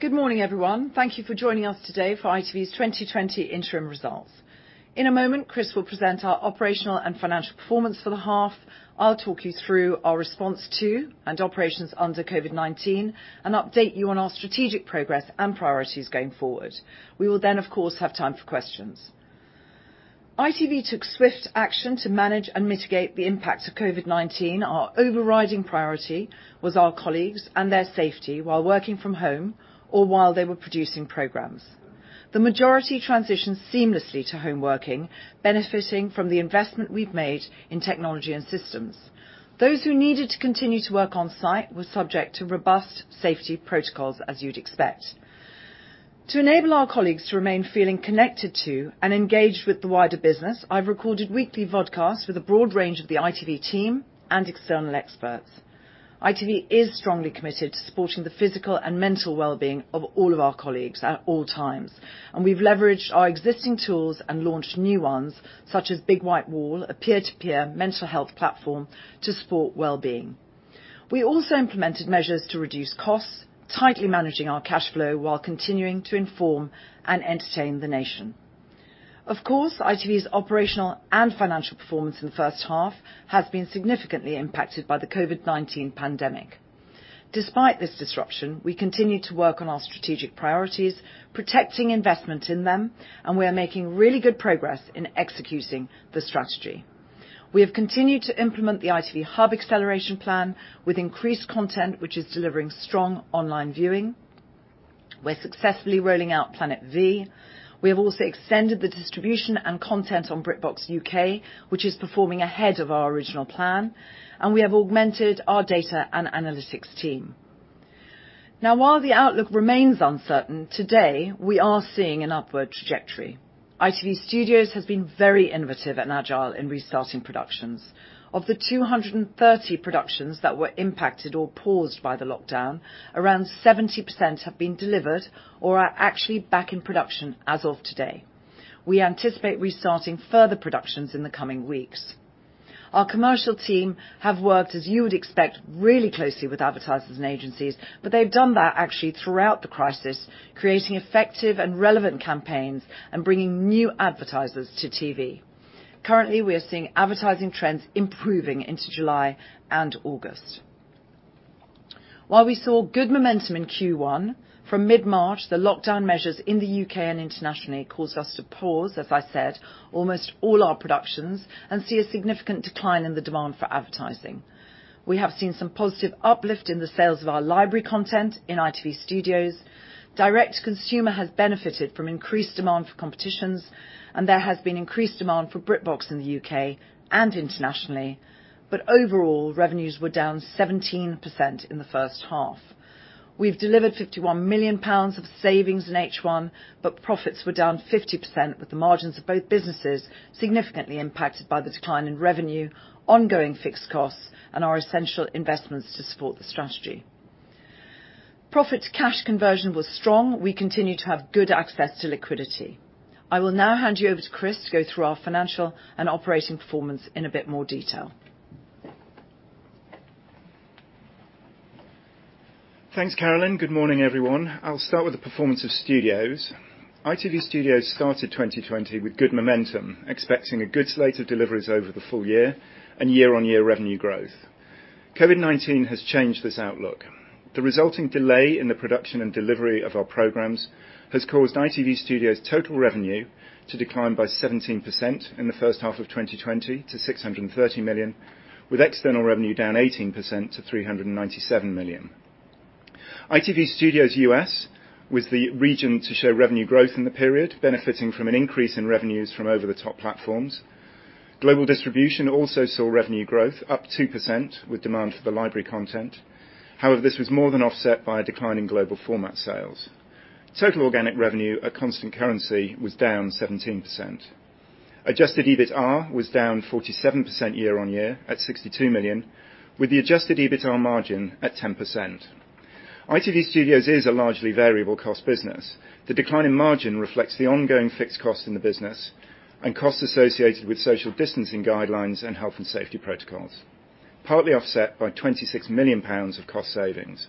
Good morning, everyone. Thank you for joining us today for ITV's 2020 interim results. In a moment, Chris will present our operational and financial performance for the half. I'll talk you through our response to and operations under COVID-19, and update you on our strategic progress and priorities going forward. We will then, of course, have time for questions. ITV took swift action to manage and mitigate the impact of COVID-19. Our overriding priority was our colleagues and their safety while working from home or while they were producing programs. The majority transitioned seamlessly to home working, benefiting from the investment we've made in technology and systems. Those who needed to continue to work on-site were subject to robust safety protocols, as you'd expect. To enable our colleagues to remain feeling connected to and engaged with the wider business, I've recorded weekly vodcasts with a broad range of the ITV team and external experts. ITV is strongly committed to supporting the physical and mental wellbeing of all of our colleagues at all times, and we've leveraged our existing tools and launched new ones, such as Big White Wall, a peer-to-peer mental health platform to support wellbeing. We also implemented measures to reduce costs, tightly managing our cash flow while continuing to inform and entertain the nation. Of course, ITV's operational and financial performance in the first half has been significantly impacted by the COVID-19 pandemic. Despite this disruption, we continue to work on our strategic priorities, protecting investment in them, and we are making really good progress in executing the strategy. We have continued to implement the ITV Hub acceleration plan with increased content, which is delivering strong online viewing. We're successfully rolling out Planet V. We have also extended the distribution and content on BritBox UK, which is performing ahead of our original plan, and we have augmented our data and analytics team. While the outlook remains uncertain, today, we are seeing an upward trajectory. ITV Studios has been very innovative and agile in restarting productions. Of the 230 productions that were impacted or paused by the lockdown, around 70% have been delivered or are actually back in production as of today. We anticipate restarting further productions in the coming weeks. Our commercial team have worked, as you would expect, really closely with advertisers and agencies, but they've done that actually throughout the crisis, creating effective and relevant campaigns and bringing new advertisers to TV. Currently, we are seeing advertising trends improving into July and August. While we saw good momentum in Q1, from mid-March, the lockdown measures in the U.K. and internationally caused us to pause, as I said, almost all our productions and see a significant decline in the demand for advertising. We have seen some positive uplift in the sales of our library content in ITV Studios. Direct consumer has benefited from increased demand for competitions, and there has been increased demand for BritBox in the U.K. and internationally. Overall, revenues were down 17% in the first half. We've delivered 51 million pounds of savings in H1, but profits were down 50%, with the margins of both businesses significantly impacted by the decline in revenue, ongoing fixed costs, and our essential investments to support the strategy. Profit cash conversion was strong. We continue to have good access to liquidity. I will now hand you over to Chris to go through our financial and operating performance in a bit more detail. Thanks, Carolyn. Good morning, everyone. I'll start with the performance of Studios. ITV Studios started 2020 with good momentum, expecting a good slate of deliveries over the full year and year-on-year revenue growth. COVID-19 has changed this outlook. The resulting delay in the production and delivery of our programs has caused ITV Studios total revenue to decline by 17% in the first half of 2020 to 630 million, with external revenue down 18% to 397 million. ITV Studios US was the region to show revenue growth in the period, benefiting from an increase in revenues from over-the-top platforms. Global distribution also saw revenue growth up 2% with demand for the library content. However, this was more than offset by a decline in global format sales. Total organic revenue at constant currency was down 17%. Adjusted EBITA was down 47% year-on-year at 62 million, with the adjusted EBITA margin at 10%. ITV Studios is a largely variable cost business. The decline in margin reflects the ongoing fixed cost in the business and costs associated with social distancing guidelines and health and safety protocols, partly offset by 26 million pounds of cost savings.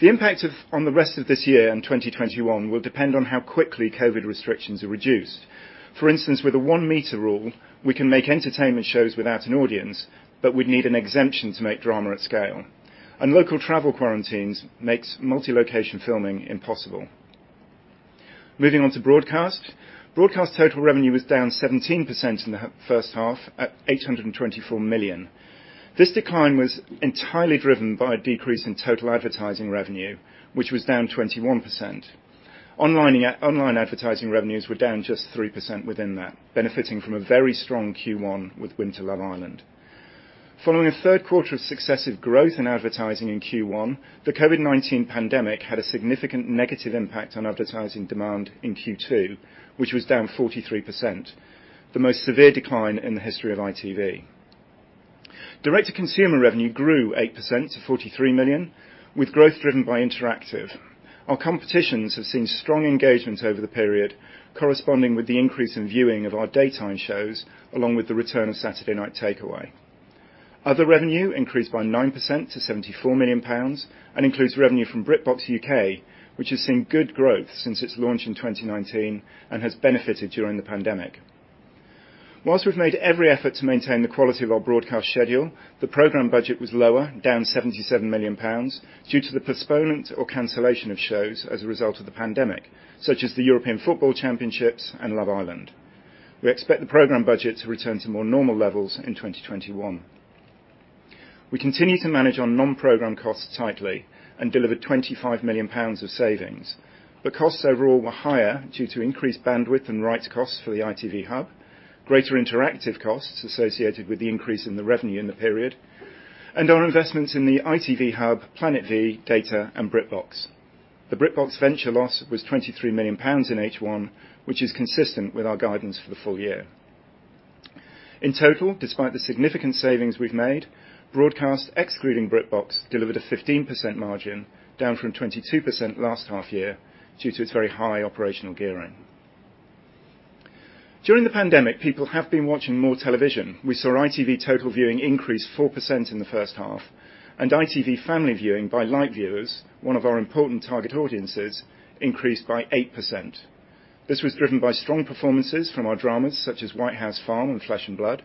The impact on the rest of this year and 2021 will depend on how quickly COVID restrictions are reduced. For instance, with a one-meter rule, we can make entertainment shows without an audience, but we'd need an exemption to make drama at scale. Local travel quarantines makes multi-location filming impossible. Moving on to Broadcast. Broadcast total revenue was down 17% in the first half at 824 million. This decline was entirely driven by a decrease in total advertising revenue, which was down 21%. Online advertising revenues were down just 3% within that, benefiting from a very strong Q1 with Winter Love Island. Following a third quarter of successive growth in advertising in Q1, the COVID-19 pandemic had a significant negative impact on advertising demand in Q2, which was down 43%, the most severe decline in the history of ITV. Direct to consumer revenue grew 8% to 43 million, with growth driven by interactive. Our competitions have seen strong engagement over the period, corresponding with the increase in viewing of our daytime shows, along with the return of Saturday Night Takeaway. Other revenue increased by 9% to 74 million pounds, and includes revenue from BritBox UK, which has seen good growth since its launch in 2019, and has benefited during the pandemic. Whilst we've made every effort to maintain the quality of our broadcast schedule, the program budget was lower, down 77 million pounds, due to the postponement or cancellation of shows as a result of the pandemic, such as the UEFA European Football Championship and Love Island. We expect the program budget to return to more normal levels in 2021. We continue to manage our non-program costs tightly and delivered 25 million pounds of savings. Costs overall were higher due to increased bandwidth and rights costs for the ITV Hub, greater interactive costs associated with the increase in the revenue in the period, and our investments in the ITV Hub, Planet V, Data, and BritBox. The BritBox venture loss was 23 million pounds in H1, which is consistent with our guidance for the full year. In total, despite the significant savings we've made, broadcast, excluding BritBox, delivered a 15% margin, down from 22% last half-year, due to its very high operational gearing. During the pandemic, people have been watching more television. We saw ITV total viewing increase 4% in the first half, and ITV family viewing by light viewers, one of our important target audiences, increased by 8%. This was driven by strong performances from our dramas, such as White House Farm and Flesh and Blood,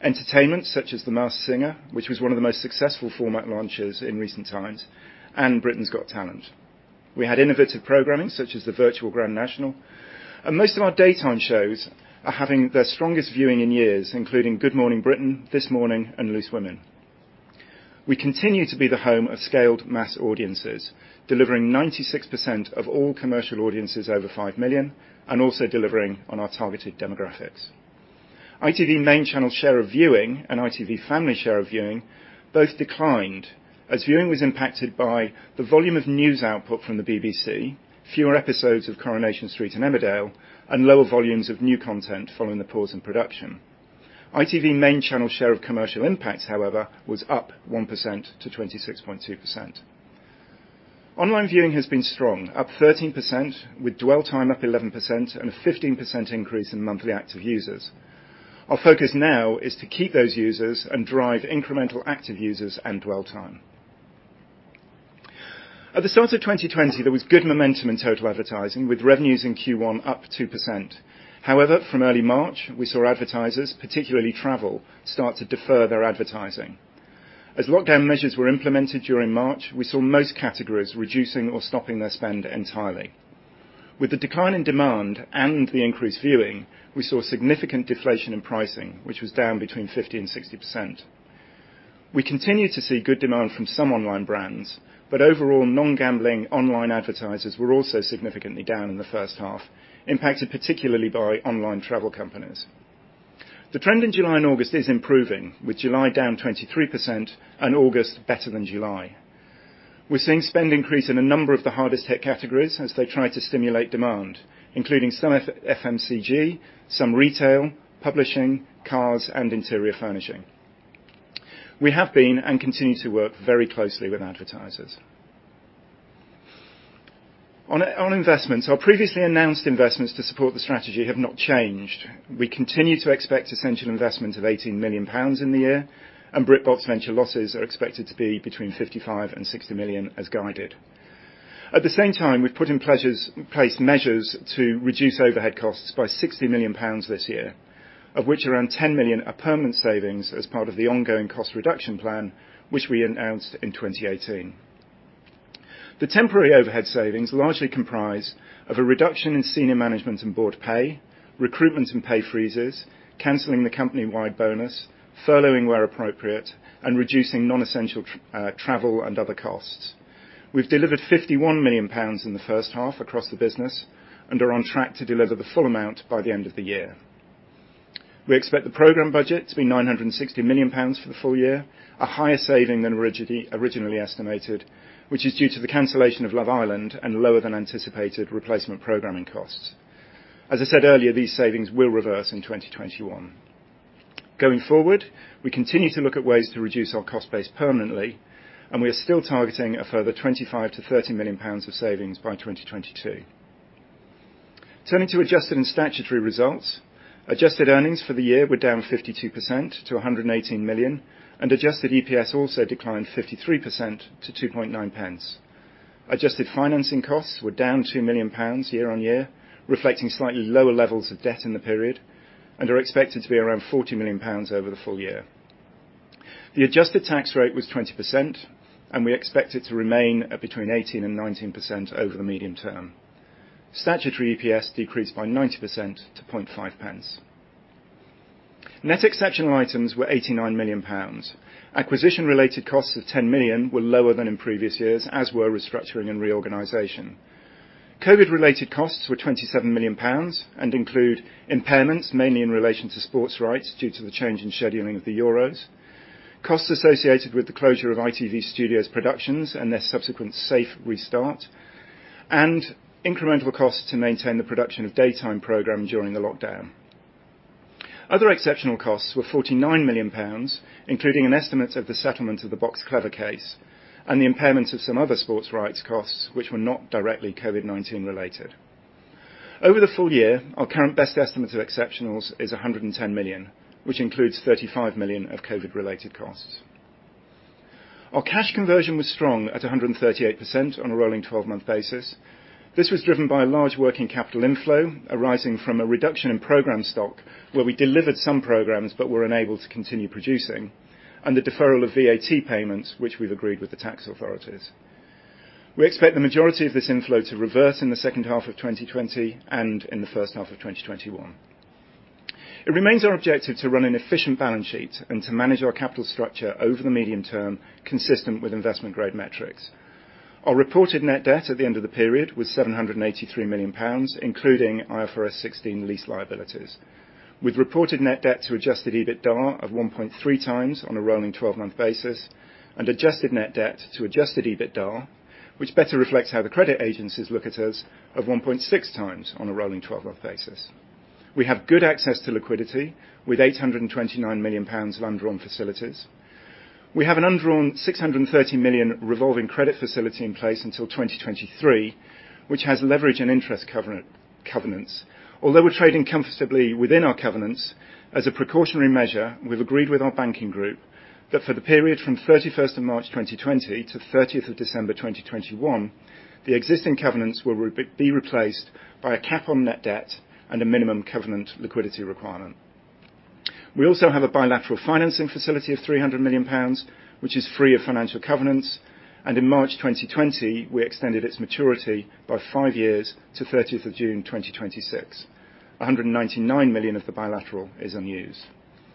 entertainment such as The Masked Singer, which was one of the most successful format launches in recent times, and Britain's Got Talent. We had innovative programming such as the Virtual Grand National, and most of our daytime shows are having their strongest viewing in years, including Good Morning Britain, This Morning, and Loose Women. We continue to be the home of scaled mass audiences, delivering 96% of all commercial audiences over 5 million. Also delivering on our targeted demographics, ITV main channel share of viewing and ITV family share of viewing both declined, as viewing was impacted by the volume of news output from the BBC, fewer episodes of Coronation Street and Emmerdale. Lower volumes of new content following the pause in production, ITV main channel share of commercial impact, however, was up 1% to 26.2%. Online viewing has been strong, up 13%, with dwell time up 11%. A 15% increase in monthly active users, our focus now is to keep those users. Drive incremental active users and dwell time, at the start of 2020, there was good momentum in total advertising, with revenues in Q1 up 2%. From early March, we saw advertisers, particularly travel, start to defer their advertising. As lockdown measures were implemented during March, we saw most categories reducing or stopping their spend entirely. With the decline in demand and the increased viewing, we saw significant deflation in pricing, which was down between 50% and 60%. We continue to see good demand from some online brands, but overall, non-gambling online advertisers were also significantly down in the first half, impacted particularly by online travel companies. The trend in July and August is improving, with July down 23% and August better than July. We're seeing spend increase in a number of the hardest hit categories as they try to stimulate demand, including some FMCG, some retail, publishing, cars, and interior furnishing. We have been and continue to work very closely with advertisers. On investments, our previously announced investments to support the strategy have not changed. We continue to expect essential investment of 18 million pounds in the year, and BritBox venture losses are expected to be between 55 million and 60 million as guided. At the same time, we've put in place measures to reduce overhead costs by 60 million pounds this year, of which around 10 million are permanent savings as part of the ongoing cost reduction plan, which we announced in 2018. The temporary overhead savings largely comprise of a reduction in senior management and board pay, recruitment and pay freezes, canceling the company-wide bonus, furloughing where appropriate, and reducing non-essential travel and other costs. We've delivered 51 million pounds in the first half across the business, and are on track to deliver the full amount by the end of the year. We expect the program budget to be 960 million pounds for the full year, a higher saving than originally estimated, which is due to the cancellation of Love Island and lower than anticipated replacement programming costs. As I said earlier, these savings will reverse in 2021. Going forward, we continue to look at ways to reduce our cost base permanently, and we are still targeting a further 25 million-30 million pounds of savings by 2022. Turning to adjusted and statutory results, adjusted earnings for the year were down 52% to 118 million, and adjusted EPS also declined 53% to 0.029. Adjusted financing costs were down 2 million pounds year-on-year, reflecting slightly lower levels of debt in the period, and are expected to be around 40 million pounds over the full year. The adjusted tax rate was 20%, and we expect it to remain between 18% and 19% over the medium term. Statutory EPS decreased by 90% to 0.005. Net exceptional items were 89 million pounds. Acquisition-related costs of 10 million were lower than in previous years, as were restructuring and reorganization. COVID-related costs were 27 million pounds and include impairments, mainly in relation to sports rights due to the change in scheduling of the Euros, costs associated with the closure of ITV Studios productions and their subsequent safe restart, and incremental costs to maintain the production of daytime program during the lockdown. Other exceptional costs were 49 million pounds, including an estimate of the settlement of the Boxclever case and the impairment of some other sports rights costs, which were not directly COVID-19 related. Over the full year, our current best estimate of exceptionals is 110 million, which includes 35 million of COVID-related costs. Our cash conversion was strong at 138% on a rolling 12-month basis. This was driven by a large working capital inflow arising from a reduction in program stock, where we delivered some programs but were unable to continue producing, and the deferral of VAT payments, which we've agreed with the tax authorities. We expect the majority of this inflow to reverse in the second half of 2020 and in the first half of 2021. It remains our objective to run an efficient balance sheet and to manage our capital structure over the medium term consistent with investment-grade metrics. Our reported net debt at the end of the period was 783 million pounds, including IFRS 16 lease liabilities, with reported net debt to adjusted EBITDA of 1.3x on a rolling 12-month basis, and adjusted net debt to adjusted EBITDA, which better reflects how the credit agencies look at us, of 1.6x on a rolling 12-month basis. We have good access to liquidity with 829 million pounds of undrawn facilities. We have an undrawn 630 million revolving credit facility in place until 2023, which has leverage and interest covenants. Although we're trading comfortably within our covenants, as a precautionary measure, we've agreed with our banking group that for the period from 31st of March 2020 to 30th of December 2021, the existing covenants will be replaced by a cap on net debt and a minimum covenant liquidity requirement. We also have a bilateral financing facility of 300 million pounds, which is free of financial covenants, and in March 2020, we extended its maturity by five years to 30th of June 2026. 199 million of the bilateral is unused.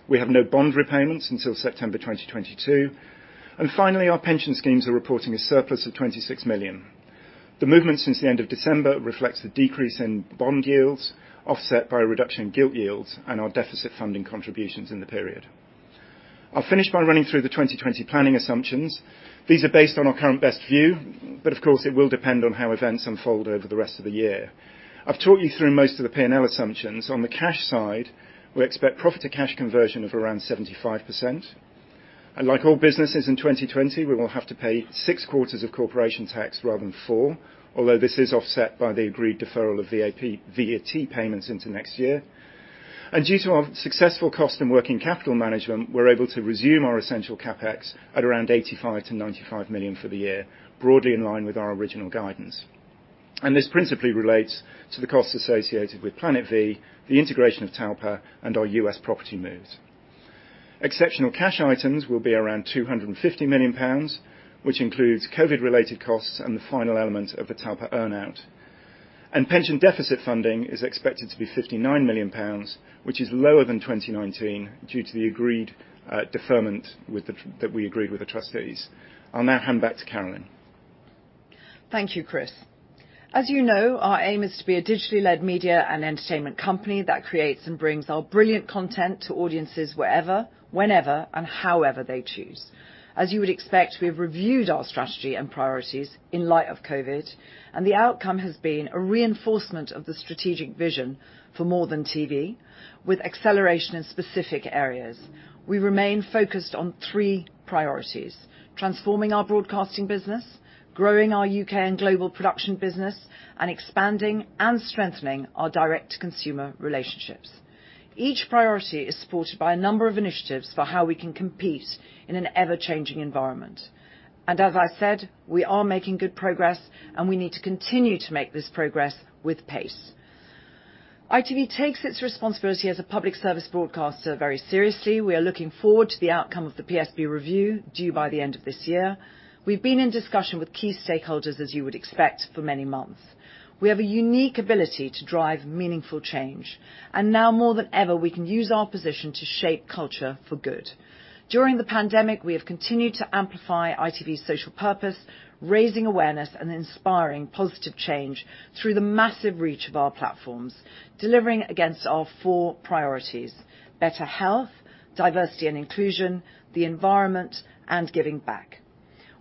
We have no bond repayments until September 2022. Finally, our pension schemes are reporting a surplus of 26 million. The movement since the end of December reflects the decrease in bond yields offset by a reduction in gilt yields and our deficit funding contributions in the period. I'll finish by running through the 2020 planning assumptions. These are based on our current best view, but of course, it will depend on how events unfold over the rest of the year. I've talked you through most of the P&L assumptions. On the cash side, we expect profit to cash conversion of around 75%. Like all businesses in 2020, we will have to pay six quarters of corporation tax rather than 4, although this is offset by the agreed deferral of VAT payments into next year. Due to our successful cost and working capital management, we are able to resume our essential CapEx at around 85 million-95 million for the year, broadly in line with our original guidance. This principally relates to the costs associated with Planet V, the integration of Talpa, and our U.S. property moves. Exceptional cash items will be around 250 million pounds, which includes COVID-related costs and the final element of the Talpa earn-out. Pension deficit funding is expected to be 59 million pounds, which is lower than 2019 due to the agreement that we agreed with the trustees. I will now hand back to Carolyn. Thank you, Chris. As you know, our aim is to be a digitally led media and entertainment company that creates and brings our brilliant content to audiences wherever, whenever, and however they choose. As you would expect, we've reviewed our strategy and priorities in light of COVID, the outcome has been a reinforcement of the strategic vision for more than TV, with acceleration in specific areas. We remain focused on three priorities: transforming our broadcasting business, growing our U.K. and global production business, and expanding and strengthening our direct consumer relationships. Each priority is supported by a number of initiatives for how we can compete in an ever-changing environment. As I said, we are making good progress, we need to continue to make this progress with pace. ITV takes its responsibility as a public service broadcaster very seriously. We are looking forward to the outcome of the PSB review due by the end of this year. We've been in discussion with key stakeholders, as you would expect, for many months. We have a unique ability to drive meaningful change. Now more than ever, we can use our position to shape culture for good. During the pandemic, we have continued to amplify ITV's social purpose, raising awareness and inspiring positive change through the massive reach of our platforms, delivering against our four priorities: better health, diversity and inclusion, the environment, and giving back.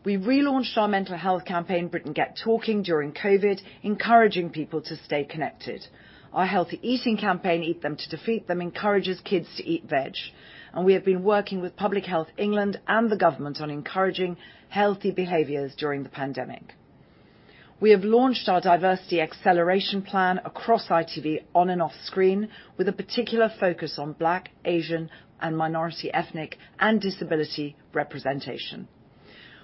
We relaunched our mental health campaign, Britain Get Talking, during COVID, encouraging people to stay connected. Our healthy eating campaign, Eat Them to Defeat Them, encourages kids to eat veg. We have been working with Public Health England and the government on encouraging healthy behaviors during the pandemic. We have launched our diversity acceleration plan across ITV on and off screen with a particular focus on Black, Asian, and minority ethnic and disability representation.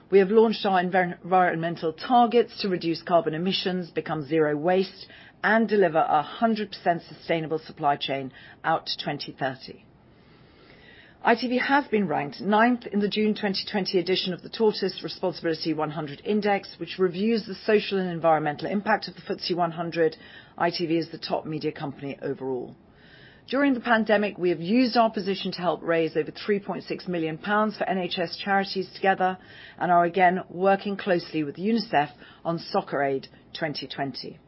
We have launched our environmental targets to reduce carbon emissions, become zero waste, and deliver 100% sustainable supply chain out to 2030. ITV has been ranked ninth in the June 2020 edition of the Tortoise Responsibility 100 Index, which reviews the social and environmental impact of the FTSE 100. ITV is the top media company overall. During the pandemic, we have used our position to help raise over 3.6 million pounds for NHS Charities Together and are again working closely with UNICEF on Soccer Aid 2020.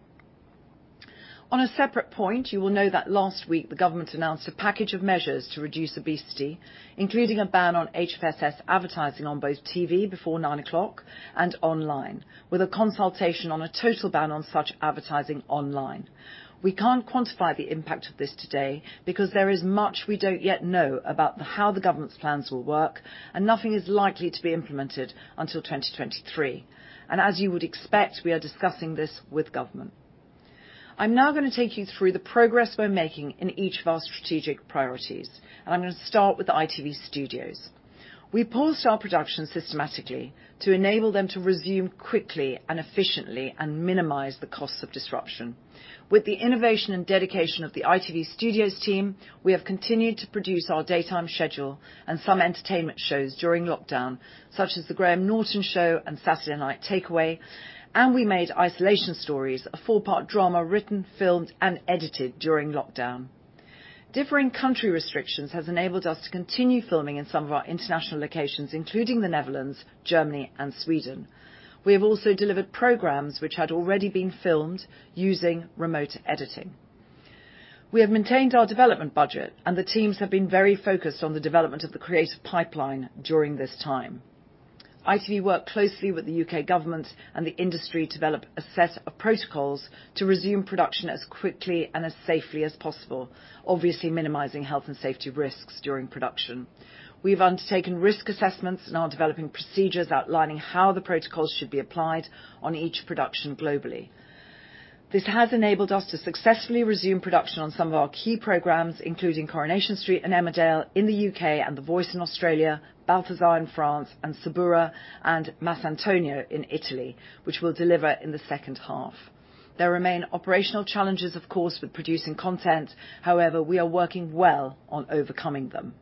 On a separate point, you will know that last week the government announced a package of measures to reduce obesity, including a ban on HFSS advertising on both TV before 9 o'clock and online, with a consultation on a total ban on such advertising online. We can't quantify the impact of this today because there is much we don't yet know about how the government's plans will work, and nothing is likely to be implemented until 2023. As you would expect, we are discussing this with government. I'm now going to take you through the progress we're making in each of our strategic priorities. I'm going to start with the ITV Studios. We paused our production systematically to enable them to resume quickly and efficiently and minimize the costs of disruption. With the innovation and dedication of the ITV Studios team, we have continued to produce our daytime schedule and some entertainment shows during lockdown, such as "The Graham Norton Show" and "Saturday Night Takeaway." We made "Isolation Stories," a four-part drama written, filmed, and edited during lockdown. Differing country restrictions has enabled us to continue filming in some of our international locations, including the Netherlands, Germany, and Sweden. We have also delivered programs which had already been filmed using remote editing. We have maintained our development budget, and the teams have been very focused on the development of the creative pipeline during this time. ITV worked closely with the U.K. government and the industry to develop a set of protocols to resume production as quickly and as safely as possible, obviously minimizing health and safety risks during production. We've undertaken risk assessments and are developing procedures outlining how the protocols should be applied on each production globally. This has enabled us to successfully resume production on some of our key programs, including "Coronation Street" and "Emmerdale" in the U.K., and "The Voice" in Australia, "Balthazar" in France, and "Suburra" and "Masantonio" in Italy, which we'll deliver in the second half. There remain operational challenges, of course, with producing content. However, we are working well on overcoming them.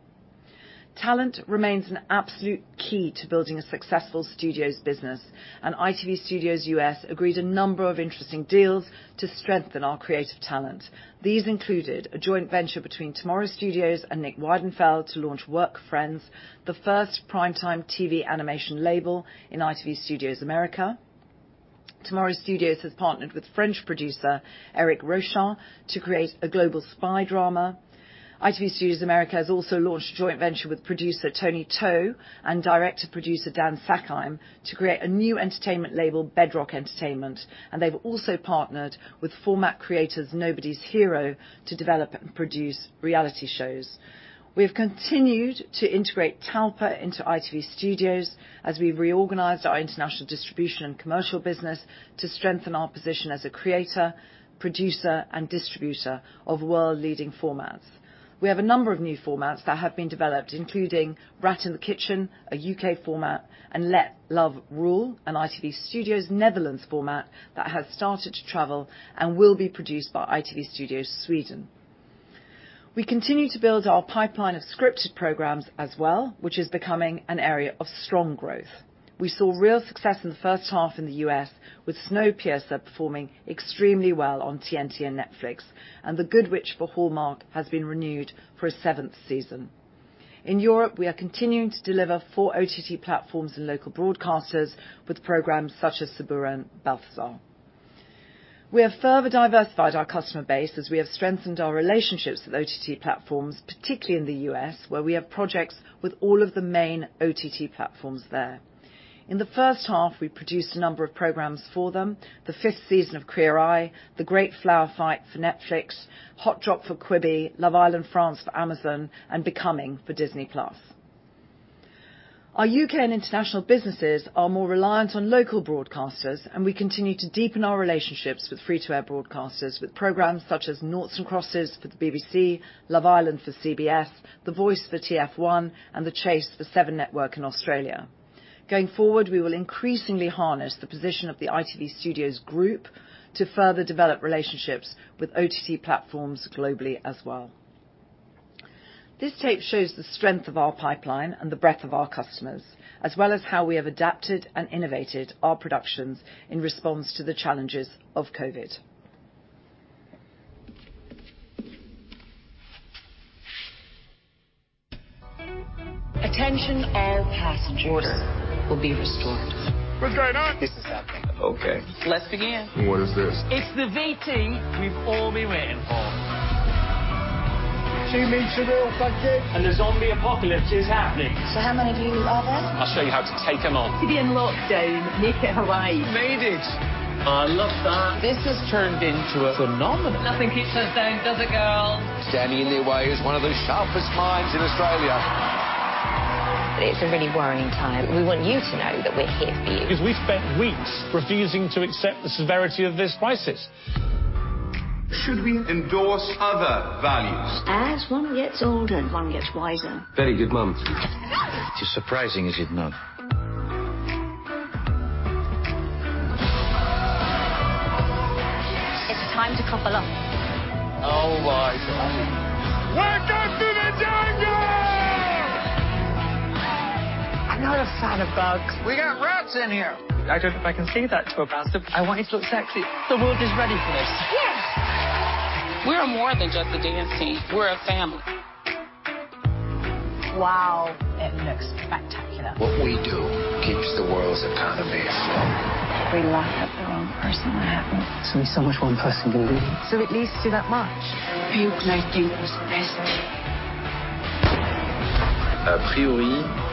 Talent remains an absolute key to building a successful studios business, and ITV Studios U.S. agreed a number of interesting deals to strengthen our creative talent. These included a joint venture between Tomorrow Studios and Nick Weidenfeld to launch Work Friends, the first prime-time TV animation label in ITV Studios America. Tomorrow Studios has partnered with French producer Éric Rochant to create a global spy drama. ITV Studios America has also launched a joint venture with producer Tony To and director-producer Dan Sackheim to create a new entertainment label, Bedrock Entertainment, and they've also partnered with format creators Nobody's Hero to develop and produce reality shows. We have continued to integrate Talpa into ITV Studios as we've reorganized our international distribution and commercial business to strengthen our position as a creator, producer, and distributor of world-leading formats. We have a number of new formats that have been developed, including "Rat in the Kitchen," a U.K. format, and "Let Love Rule," an ITV Studios Netherlands format that has started to travel and will be produced by ITV Studios Sweden. We continue to build our pipeline of scripted programs as well, which is becoming an area of strong growth. We saw real success in the first half in the U.S. with "Snowpiercer" performing extremely well on TNT and Netflix, and "The Good Witch" for Hallmark has been renewed for a seventh season. In Europe, we are continuing to deliver four OTT platforms and local broadcasters with programs such as "Suburra" and "Balthazar." We have further diversified our customer base as we have strengthened our relationships with OTT platforms, particularly in the U.S., where we have projects with all of the main OTT platforms there. In the first half, we produced a number of programs for them, the fifth season of "Queer Eye," "The Big Flower Fight" for Netflix, "The Hot Drop" for Quibi, "Love Island France" for Amazon, and "Becoming" for Disney+. Our U.K. and international businesses are more reliant on local broadcasters, and we continue to deepen our relationships with free-to-air broadcasters with programs such as "Noughts + Crosses" for the BBC, "Love Island" for CBS, "The Voice" for TF1, and "The Chase" for Seven Network in Australia. Going forward, we will increasingly harness the position of the ITV Studios Group to further develop relationships with OTT platforms globally as well. This tape shows the strength of our pipeline and the breadth of our customers, as well as how we have adapted and innovated our productions in response to the challenges of COVID. Attention, all passengers. Order will be restored. What's going on? This is happening. Okay. Let's begin. What is this? It's the VT we've all been waiting for. Two meter rule, thank you. The zombie apocalypse is happening. How many of you are there? I'll show you how to take them on. TV in lockdown, make it Hawaii. Made it. I love that. This has turned into a phenomenon. Nothing keeps us down, does it, girls? Standing in their way is one of the sharpest minds in Australia. It's a really worrying time, and we want you to know that we're here for you. We've spent weeks refusing to accept the severity of this crisis. Should we endorse other values? As one gets older, one gets wiser. Very good, Mom. It's surprising, is it not? It's time to cough up. Oh my God. Welcome to the jungle. I'm not a fan of bugs. We got rats in here. I don't know if I can say that to a bastard. I want it to look sexy. The world is ready for this. Yes. We are more than just a dance team. We're a family. Wow. It looks spectacular. What we do keeps the world's economy afloat. If we lock up the wrong person, what happens? There's so much one person can lose. At least do that much. People like you must pay. This is where it all started.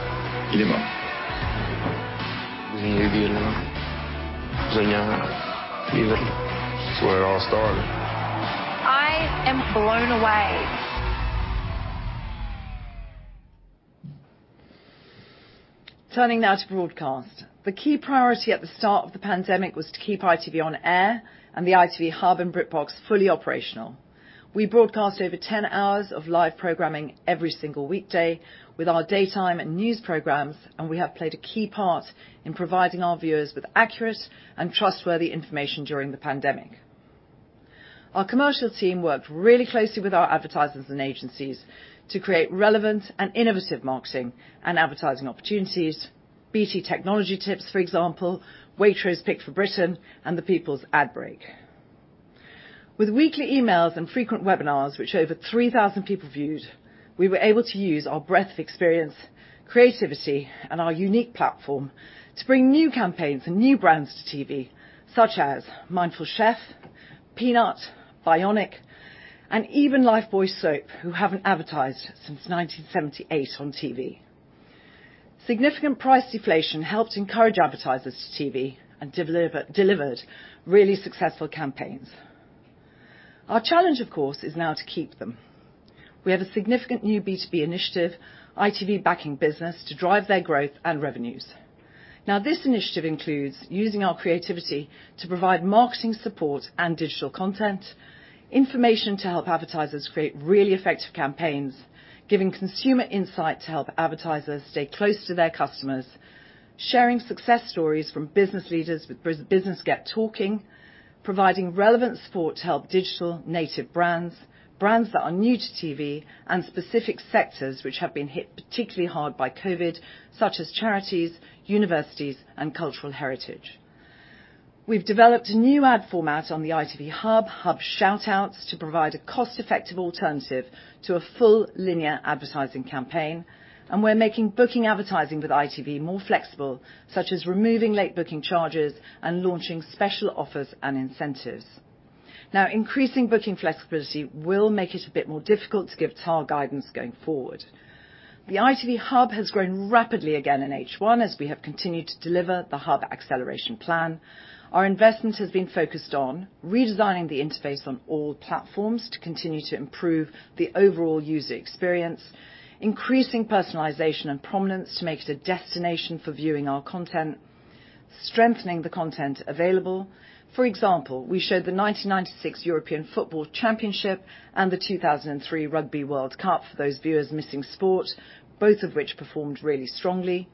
I am blown away. Turning now to broadcast. The key priority at the start of the pandemic was to keep ITV on air, and the ITV Hub and BritBox fully operational. We broadcast over 10 hours of live programming every single weekday with our daytime and news programs, and we have played a key part in providing our viewers with accurate and trustworthy information during the pandemic. Our commercial team worked really closely with our advertisers and agencies to create relevant and innovative marketing and advertising opportunities, BT Tech Tips, for example, Waitrose Pick for Britain, and The People's Ad Break. With weekly emails and frequent webinars, which over 3,000 people viewed, we were able to use our breadth of experience, creativity, and our unique platform to bring new campaigns and new brands to TV, such as Mindful Chef, Peanut, Bionic, and even Lifebuoy Soap, who haven't advertised since 1978 on TV. Significant price deflation helped encourage advertisers to TV and delivered really successful campaigns. Our challenge, of course, is now to keep them. We have a significant new B2B initiative, ITV Backing Business, to drive their growth and revenues. This initiative includes using our creativity to provide marketing support and digital content, information to help advertisers create really effective campaigns, giving consumer insight to help advertisers stay close to their customers, sharing success stories from business leaders with Business Get Talking, providing relevant support to help digital native brands that are new to TV, and specific sectors which have been hit particularly hard by COVID, such as charities, universities, and cultural heritage. We've developed a new ad format on the ITV Hub Shout Outs, to provide a cost-effective alternative to a full linear advertising campaign, and we're making booking advertising with ITV more flexible, such as removing late booking charges and launching special offers and incentives. Now, increasing booking flexibility will make it a bit more difficult to give TAR guidance going forward. The ITV Hub has grown rapidly again in H1 as we have continued to deliver the Hub acceleration plan. Our investment has been focused on redesigning the interface on all platforms to continue to improve the overall user experience, increasing personalization and prominence to make it a destination for viewing our content, strengthening the content available. For example, we showed the 1996 European Football Championship and the 2003 Rugby World Cup for those viewers missing sport, both of which performed really strongly.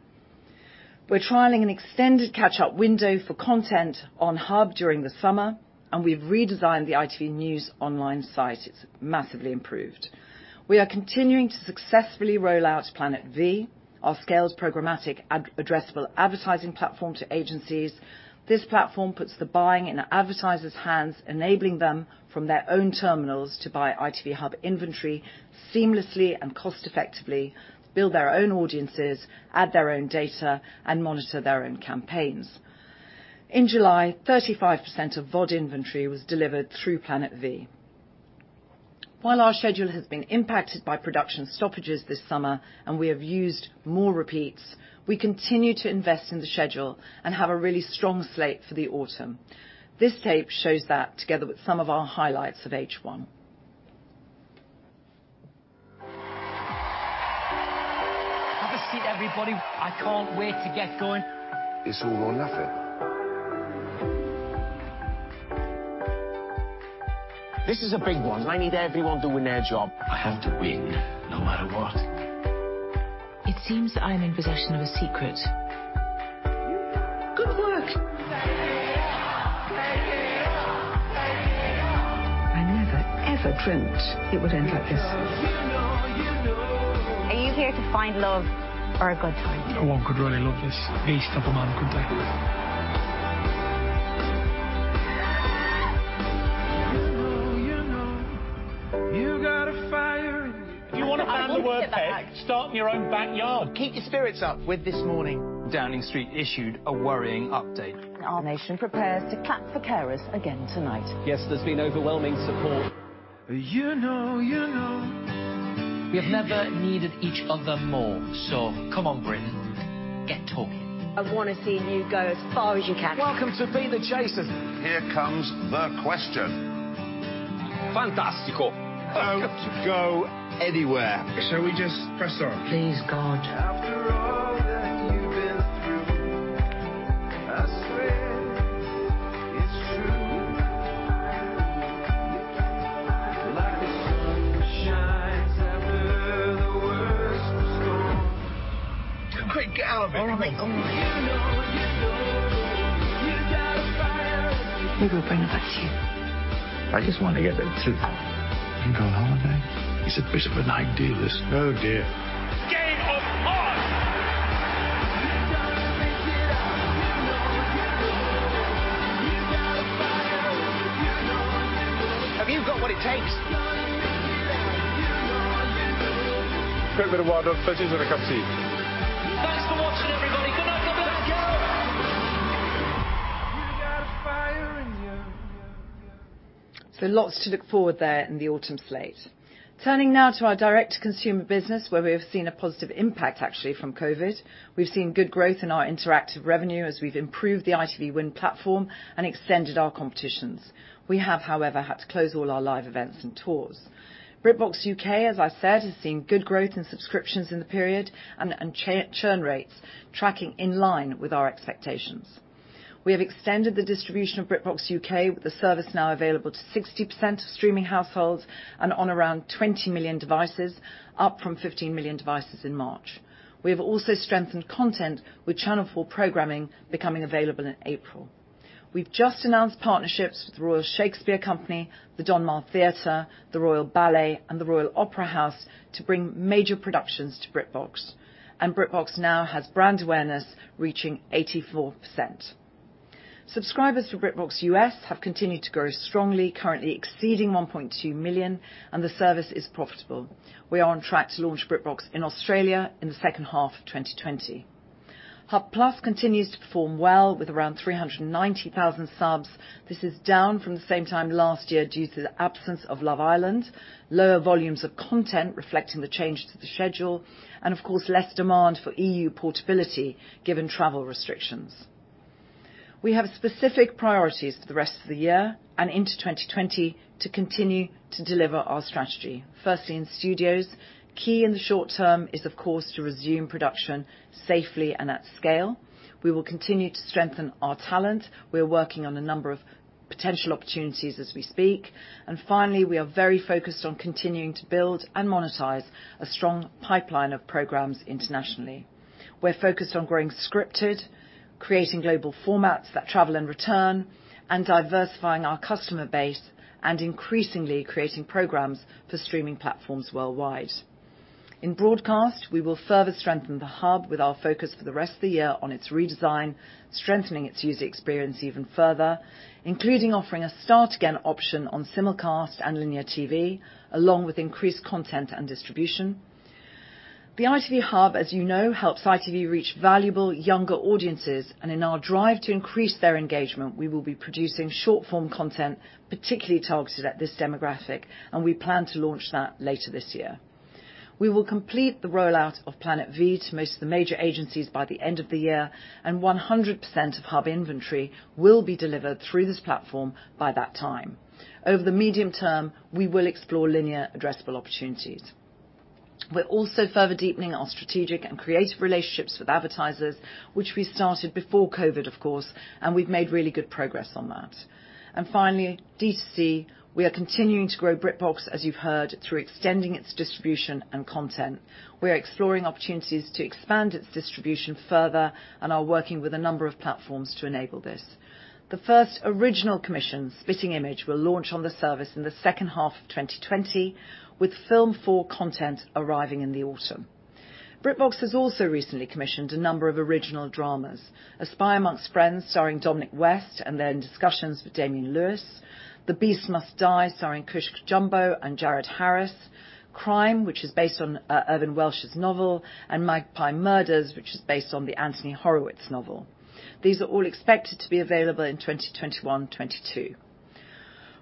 We're trialing an extended catch-up window for content on Hub during the summer, and we've redesigned the ITV News online site. It's massively improved. We are continuing to successfully roll out Planet V, our scaled programmatic addressable advertising platform to agencies. This platform puts the buying in advertisers' hands, enabling them, from their own terminals, to buy ITV Hub inventory seamlessly and cost-effectively, build their own audiences, add their own data, and monitor their own campaigns. In July, 35% of VOD inventory was delivered through Planet V. While our schedule has been impacted by production stoppages this summer, and we have used more repeats, we continue to invest in the schedule and have a really strong slate for the autumn. This tape shows that together with some of our highlights of H1. Have a seat, everybody. I can't wait to get going. It's all or nothing. This is a big one. I need everyone doing their job. I have to win, no matter what. It seems that I'm in possession of a secret. Good work. Take it off. Take it off. Take it off. I never, ever dreamt it would end like this. You know. Are you here to find love or a good time? No one could really love this beast of a man, could they? You know, you know. You got a fire in you. If you want to handle the work, Kate, start in your own backyard. Keep your spirits up with This Morning. Downing Street issued a worrying update. Our nation prepares to clap for carers again tonight. Yes, there's been overwhelming support. You know. We have never needed each other more, so come on, Britain Get Talking. I want to see you go as far as you can. Welcome to Be The Chaser. Here comes the question. Fantastico. Don't go anywhere. Shall we just press on? Please, God. After all that you've been through, I swear, it's true. You know, you know. You got a fire in you. Like the sun that shines after the worst storm. Great gal, a bit of a menace. You know, you know. You got a fire in you. We will bring her back to you. I just want to get there, too. You go on holiday? It's a bit of an idealist. Oh, dear. Game of art. You're going to make it out. You know, you know. You got a fire. You know, you know. Have you got what it takes? You're going to make it out. You know, you know. Premier Award of 1,300 a cup of tea. Thanks for watching, everybody. Good night, love this. You got a fire in you. Lots to look forward there in the autumn slate. Turning now to our direct-to-consumer business, where we have seen a positive impact actually from COVID. We've seen good growth in our interactive revenue as we've improved the ITV Win platform and extended our competitions. We have, however, had to close all our live events and tours. BritBox UK, as I said, has seen good growth in subscriptions in the period and churn rates tracking in line with our expectations. We have extended the distribution of BritBox UK, with the service now available to 60% of streaming households and on around 20 million devices, up from 15 million devices in March. We have also strengthened content with Channel 4 programming becoming available in April. We've just announced partnerships with the Royal Shakespeare Company, the Donmar Warehouse, the Royal Ballet, and the Royal Opera House to bring major productions to BritBox. BritBox now has brand awareness reaching 84%. Subscribers for BritBox US have continued to grow strongly, currently exceeding 1.2 million, and the service is profitable. We are on track to launch BritBox in Australia in the second half of 2020. Hub Plus continues to perform well with around 390,000 subs. This is down from the same time last year due to the absence of "Love Island," lower volumes of content reflecting the change to the schedule, and of course, less demand for EU portability given travel restrictions. We have specific priorities for the rest of the year and into 2020 to continue to deliver our strategy. Firstly, in studios, key in the short term is, of course, to resume production safely and at scale. We will continue to strengthen our talent. We are working on a number of potential opportunities as we speak. Finally, we are very focused on continuing to build and monetize a strong pipeline of programs internationally. We're focused on growing scripted, creating global formats that travel and return, and diversifying our customer base, and increasingly creating programs for streaming platforms worldwide. In broadcast, we will further strengthen the ITV Hub with our focus for the rest of the year on its redesign, strengthening its user experience even further, including offering a start-again option on simulcast and linear TV, along with increased content and distribution. The ITV Hub, as you know, helps ITV reach valuable younger audiences, and in our drive to increase their engagement, we will be producing short-form content, particularly targeted at this demographic, and we plan to launch that later this year. We will complete the rollout of Planet V to most of the major agencies by the end of the year, and 100% of Hub inventory will be delivered through this platform by that time. Over the medium term, we will explore linear addressable opportunities. We're also further deepening our strategic and creative relationships with advertisers, which we started before COVID, of course, and we've made really good progress on that. Finally, D2C, we are continuing to grow BritBox, as you've heard, through extending its distribution and content. We are exploring opportunities to expand its distribution further and are working with a number of platforms to enable this. The first original commission, "Spitting Image," will launch on the service in the second half of 2020, with Film4 content arriving in the autumn. BritBox has also recently commissioned a number of original dramas. A Spy Among Friends" starring Dominic West, and they're in discussions for Damian Lewis. "The Beast Must Die" starring Cush Jumbo and Jared Harris. "Crime," which is based on Irvine Welsh's novel, and "Magpie Murders," which is based on the Anthony Horowitz novel. These are all expected to be available in 2021, 2022.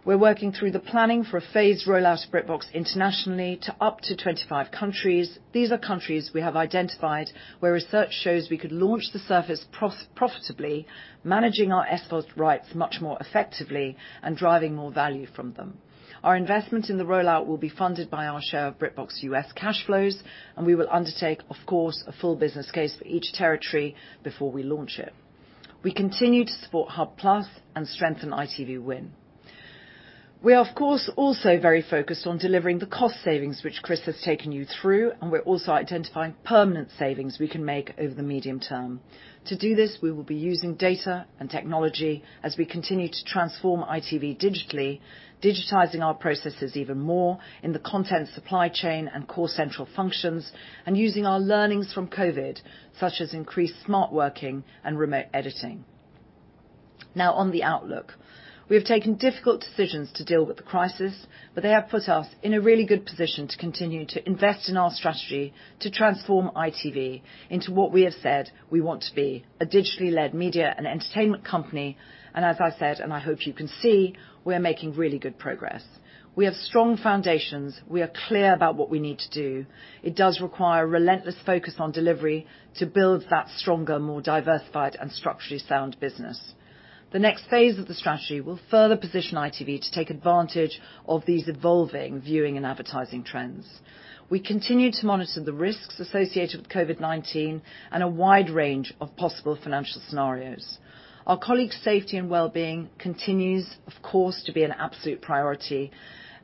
We're working through the planning for a phased rollout of BritBox internationally to up to 25 countries. These are countries we have identified where research shows we could launch the service profitably, managing our SVOD rights much more effectively and driving more value from them. Our investment in the rollout will be funded by our share of BritBox U.S. cash flows, and we will undertake, of course, a full business case for each territory before we launch it. We continue to support Hub Plus and strengthen ITV Win. We are, of course, also very focused on delivering the cost savings, which Chris has taken you through, and we're also identifying permanent savings we can make over the medium term. To do this, we will be using data and technology as we continue to transform ITV digitally, digitizing our processes even more in the content supply chain and core central functions, and using our learnings from COVID, such as increased smart working and remote editing. On the outlook. We have taken difficult decisions to deal with the crisis, but they have put us in a really good position to continue to invest in our strategy to transform ITV into what we have said we want to be, a digitally led media and entertainment company. As I said, and I hope you can see, we are making really good progress. We have strong foundations. We are clear about what we need to do. It does require relentless focus on delivery to build that stronger, more diversified, and structurally sound business. The next phase of the strategy will further position ITV to take advantage of these evolving viewing and advertising trends. We continue to monitor the risks associated with COVID-19 and a wide range of possible financial scenarios. Our colleagues' safety and wellbeing continues, of course, to be an absolute priority,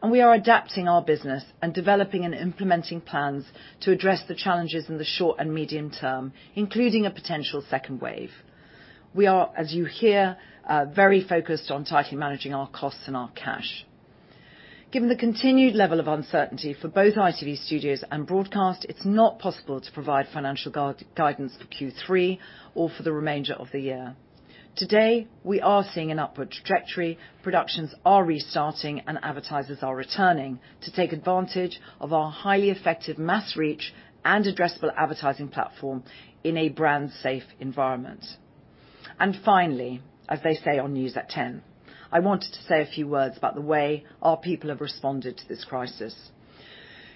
and we are adapting our business and developing and implementing plans to address the challenges in the short and medium term, including a potential second wave. We are, as you hear, very focused on tightly managing our costs and our cash. Given the continued level of uncertainty for both ITV Studios and Broadcast, it is not possible to provide financial guidance for Q3 or for the remainder of the year. Today, we are seeing an upward trajectory. Productions are restarting, advertisers are returning to take advantage of our highly effective mass reach and addressable advertising platform in a brand-safe environment. Finally, as they say on News at 10, I wanted to say a few words about the way our people have responded to this crisis.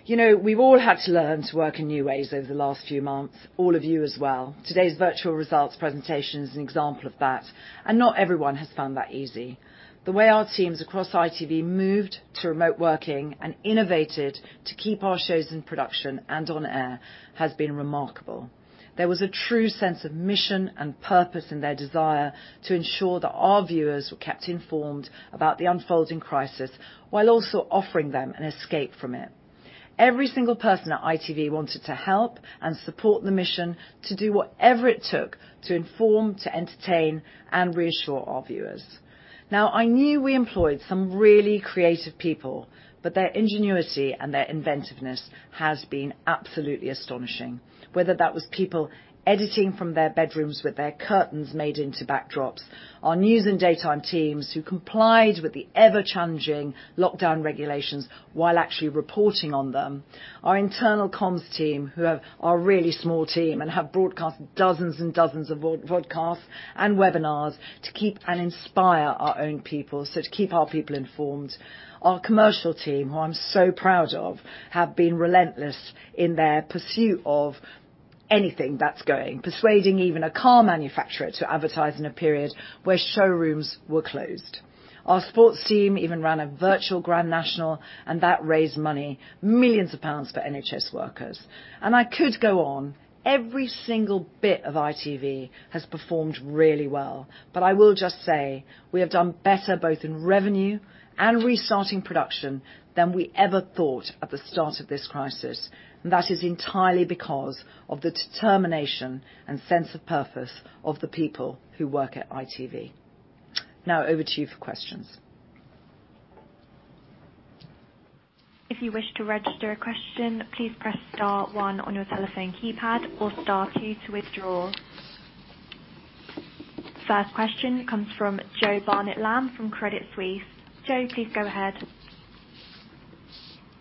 We've all had to learn to work in new ways over the last few months, all of you as well. Today's virtual results presentation is an example of that, not everyone has found that easy. The way our teams across ITV moved to remote working and innovated to keep our shows in production and on air has been remarkable. There was a true sense of mission and purpose in their desire to ensure that our viewers were kept informed about the unfolding crisis, while also offering them an escape from it. Every single person at ITV wanted to help and support the mission to do whatever it took to inform, to entertain, and reassure our viewers. Now, I knew we employed some really creative people, but their ingenuity and their inventiveness has been absolutely astonishing. Whether that was people editing from their bedrooms with their curtains made into backdrops, our news and daytime teams who complied with the ever-changing lockdown regulations while actually reporting on them, our internal comms team, who are a really small team and have broadcast dozens and dozens of vodcasts and webinars to keep and inspire our own people, so to keep our people informed. Our commercial team, who I'm so proud of, have been relentless in their pursuit of anything that's going, persuading even a car manufacturer to advertise in a period where showrooms were closed. Our sports team even ran a Virtual Grand National, that raised money, millions of GBP for NHS workers. I could go on. Every single bit of ITV has performed really well. I will just say, we have done better both in revenue and restarting production than we ever thought at the start of this crisis. That is entirely because of the determination and sense of purpose of the people who work at ITV. Now over to you for questions. If you wish to register a question, please press star one on your telephone keypad or star two to withdraw. First question comes from Joseph Barnet-Lamb from Credit Suisse. Joe, please go ahead.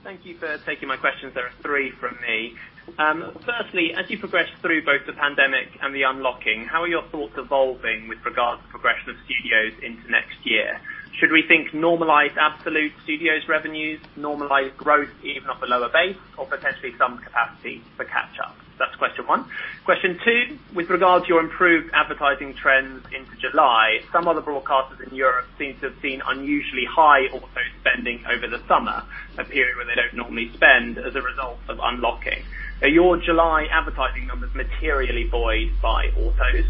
Thank you for taking my questions. There are three from me. Firstly, as you progress through both the pandemic and the unlocking, how are your thoughts evolving with regards to progression of studios into next year? Should we think normalized absolute studios revenues, normalized growth even off a lower base or potentially some capacity for catch-up? That's question one. Question two, with regard to your improved advertising trends into July, some other broadcasters in Europe seem to have seen unusually high auto spending over the summer, a period where they don't normally spend as a result of unlocking. Are your July advertising numbers materially buoyed by autos?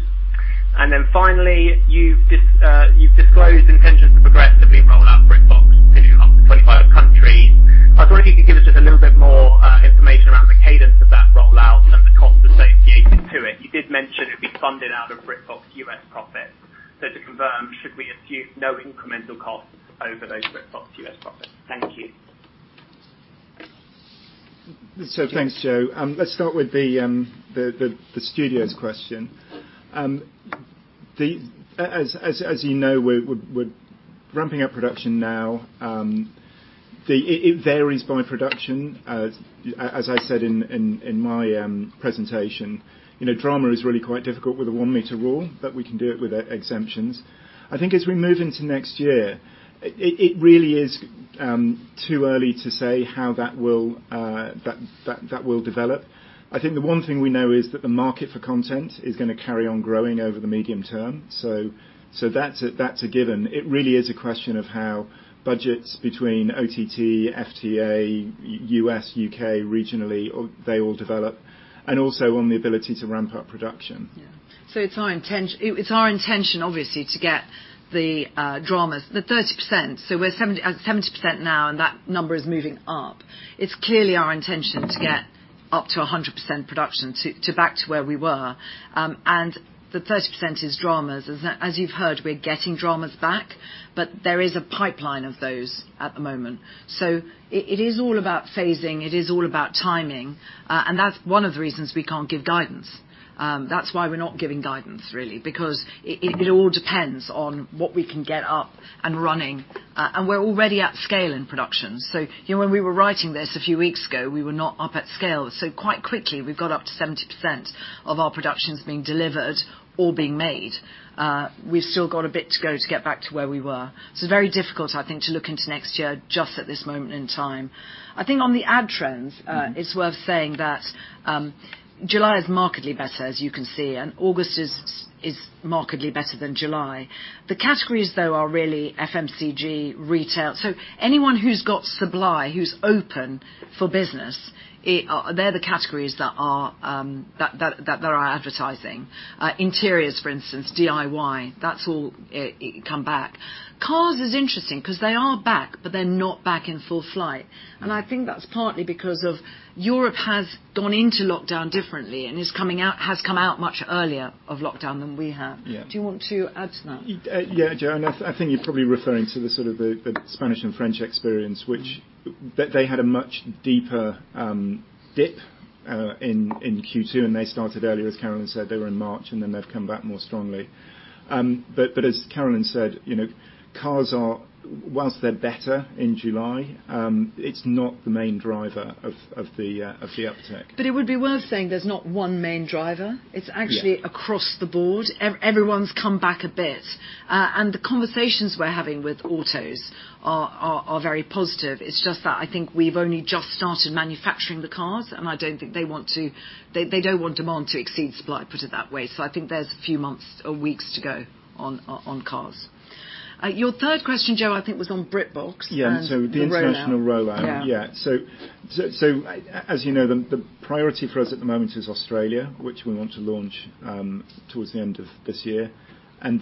Finally, you've disclosed intentions to progressively roll out BritBox to up to 25 countries. I was wondering if you could give us just a little bit more information around the cadence of that rollout and the cost associated to it. You did mention it'd be funded out of BritBox US profits. To confirm, should we assume no incremental costs over those BritBox US profits? Thank you. Thanks, Joe. Let's start with the Studios question. As you know, we're ramping up production now. It varies by production, as I said in my presentation. Drama is really quite difficult with a one-meter rule, but we can do it with exemptions. I think as we move into next year, it really is too early to say how that will develop. I think the one thing we know is that the market for content is gonna carry on growing over the medium term. That's a given. It really is a question of how budgets between OTT, FTA, U.S., U.K., regionally, they all develop, and also on the ability to ramp up production. It's our intention, obviously, to get the 30%, so we're 70% now, and that number is moving up. It's clearly our intention to get up to 100% production to back to where we were. The 30% is dramas. As you've heard, we're getting dramas back, but there is a pipeline of those at the moment. It is all about phasing, it is all about timing. That's one of the reasons we can't give guidance. That's why we're not giving guidance, really, because it all depends on what we can get up and running. We're already at scale in production. When we were writing this a few weeks ago, we were not up at scale. Quite quickly, we've got up to 70% of our productions being delivered or being made. We've still got a bit to go to get back to where we were. It's very difficult, I think, to look into next year just at this moment in time. I think on the ad trends, it's worth saying that July is markedly better, as you can see, and August is markedly better than July. The categories, though, are really FMCG, retail. Anyone who's got supply, who's open for business, they're the categories that are advertising. Interiors, for instance, DIY, that's all come back. Cars is interesting because they are back, but they're not back in full flight. I think that's partly because of Europe has gone into lockdown differently and has come out much earlier of lockdown than we have. Yeah. Do you want to add to that? Yeah, Joe, I think you're probably referring to the sort of the Spanish and French experience, which they had a much deeper dip in Q2. They started earlier, as Carolyn said, they were in March. They've come back more strongly. As Carolyn said, cars are, whilst they're better in July, it's not the main driver of the uptick. It would be worth saying there's not one main driver. Yeah. It's actually across the board. Everyone's come back a bit. The conversations we're having with autos are very positive. It's just that I think we've only just started manufacturing the cars, They don't want demand to exceed supply, put it that way. I think there's a few months or weeks to go on cars. Your third question, Joe, I think was on BritBox and the rollout Yeah. The international rollout. Yeah. As you know, the priority for us at the moment is Australia, which we want to launch towards the end of this year. As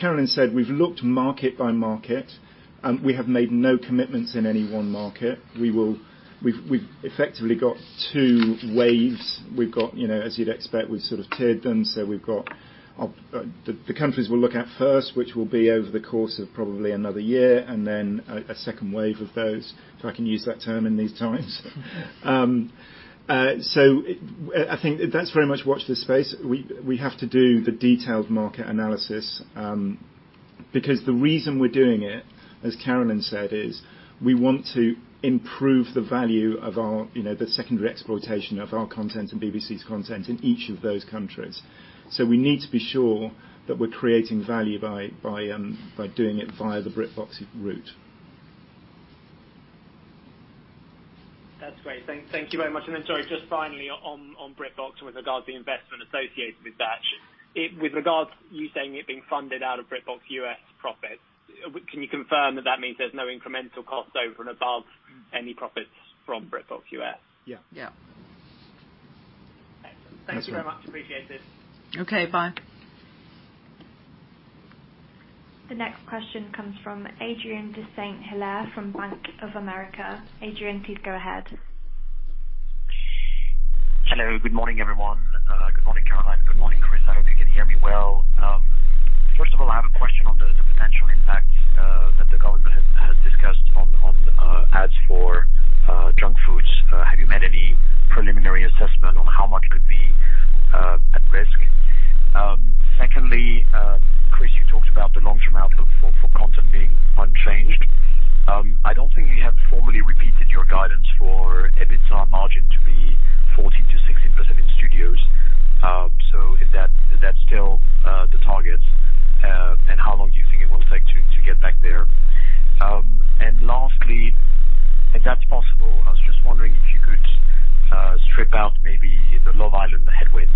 Carolyn said, we've looked market by market, and we have made no commitments in any one market. We've effectively got two waves. As you'd expect, we've sort of tiered them, so we've got the countries we'll look at first, which will be over the course of probably another year, and then a second wave of those, if I can use that term in these times. I think that's very much watch this space. We have to do the detailed market analysis, because the reason we're doing it, as Carolyn said, is we want to improve the value of the secondary exploitation of our content and BBC's content in each of those countries. We need to be sure that we're creating value by doing it via the BritBox route. That's great. Thank you very much. Sorry, just finally on BritBox and with regards to the investment associated with that. With regards to you saying it being funded out of BritBox U.S. profits, can you confirm that that means there's no incremental cost over and above any profits from BritBox U.S.? Yeah. Yeah. Excellent. Thank you very much. Appreciate it. Okay, bye. The next question comes from Adrien de Saint Hilaire from Bank of America. Adrien, please go ahead. Hello. Good morning, everyone. Good morning, Carolyn. Good morning. Good morning, Chris. I hope you can hear me well. First of all, I have a question on the potential impact that the government has discussed on ads for junk foods. Have you made any preliminary assessment on how much could be at risk? Chris, you talked about the long-term outlook for content being unchanged. I don't think you have formally repeated your guidance for EBITDA margin to be 14%-16% in studios. Is that still the target? How long do you think it will take to get back there? Lastly, if that's possible, I was just wondering if you could strip out maybe the Love Island headwind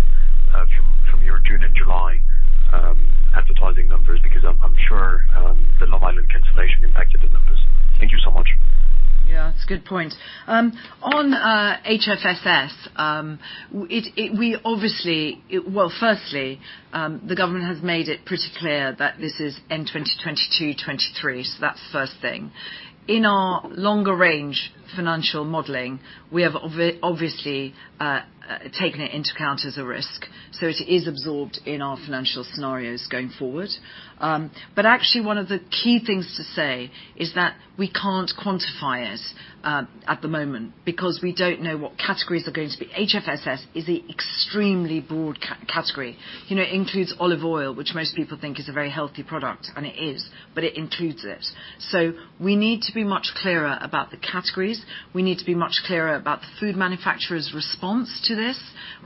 from your June and July advertising numbers, I'm sure the Love Island cancellation impacted the numbers. Thank you so much. Yeah, that's a good point. On HFSS, firstly, the government has made it pretty clear that this is in 2022/23, that's the first thing. In our longer range financial modeling, we have obviously taken it into account as a risk. It is absorbed in our financial scenarios going forward. Actually, one of the key things to say is that we can't quantify it at the moment, because we don't know what categories are going to be. HFSS is an extremely broad category. It includes olive oil, which most people think is a very healthy product, and it is, but it includes it. We need to be much clearer about the categories. We need to be much clearer about the food manufacturers' response to this,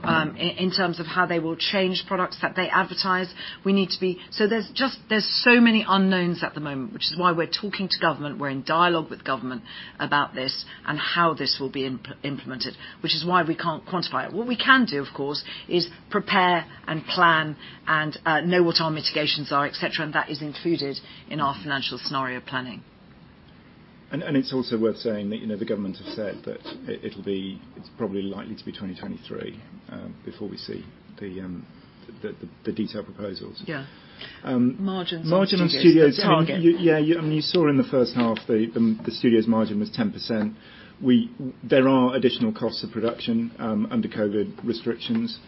in terms of how they will change products that they advertise. There's so many unknowns at the moment, which is why we're talking to government. We're in dialogue with government about this and how this will be implemented, which is why we can't quantify it. What we can do, of course, is prepare and plan and know what our mitigations are, et cetera, and that is included in our financial scenario planning. It's also worth saying that the government have said that it's probably likely to be 2023, before we see the detailed proposals. Yeah. Margins on studios. Margin on studios. Target Yeah. You saw in the first half, the Studios margin was 10%. There are additional costs of production under COVID restrictions.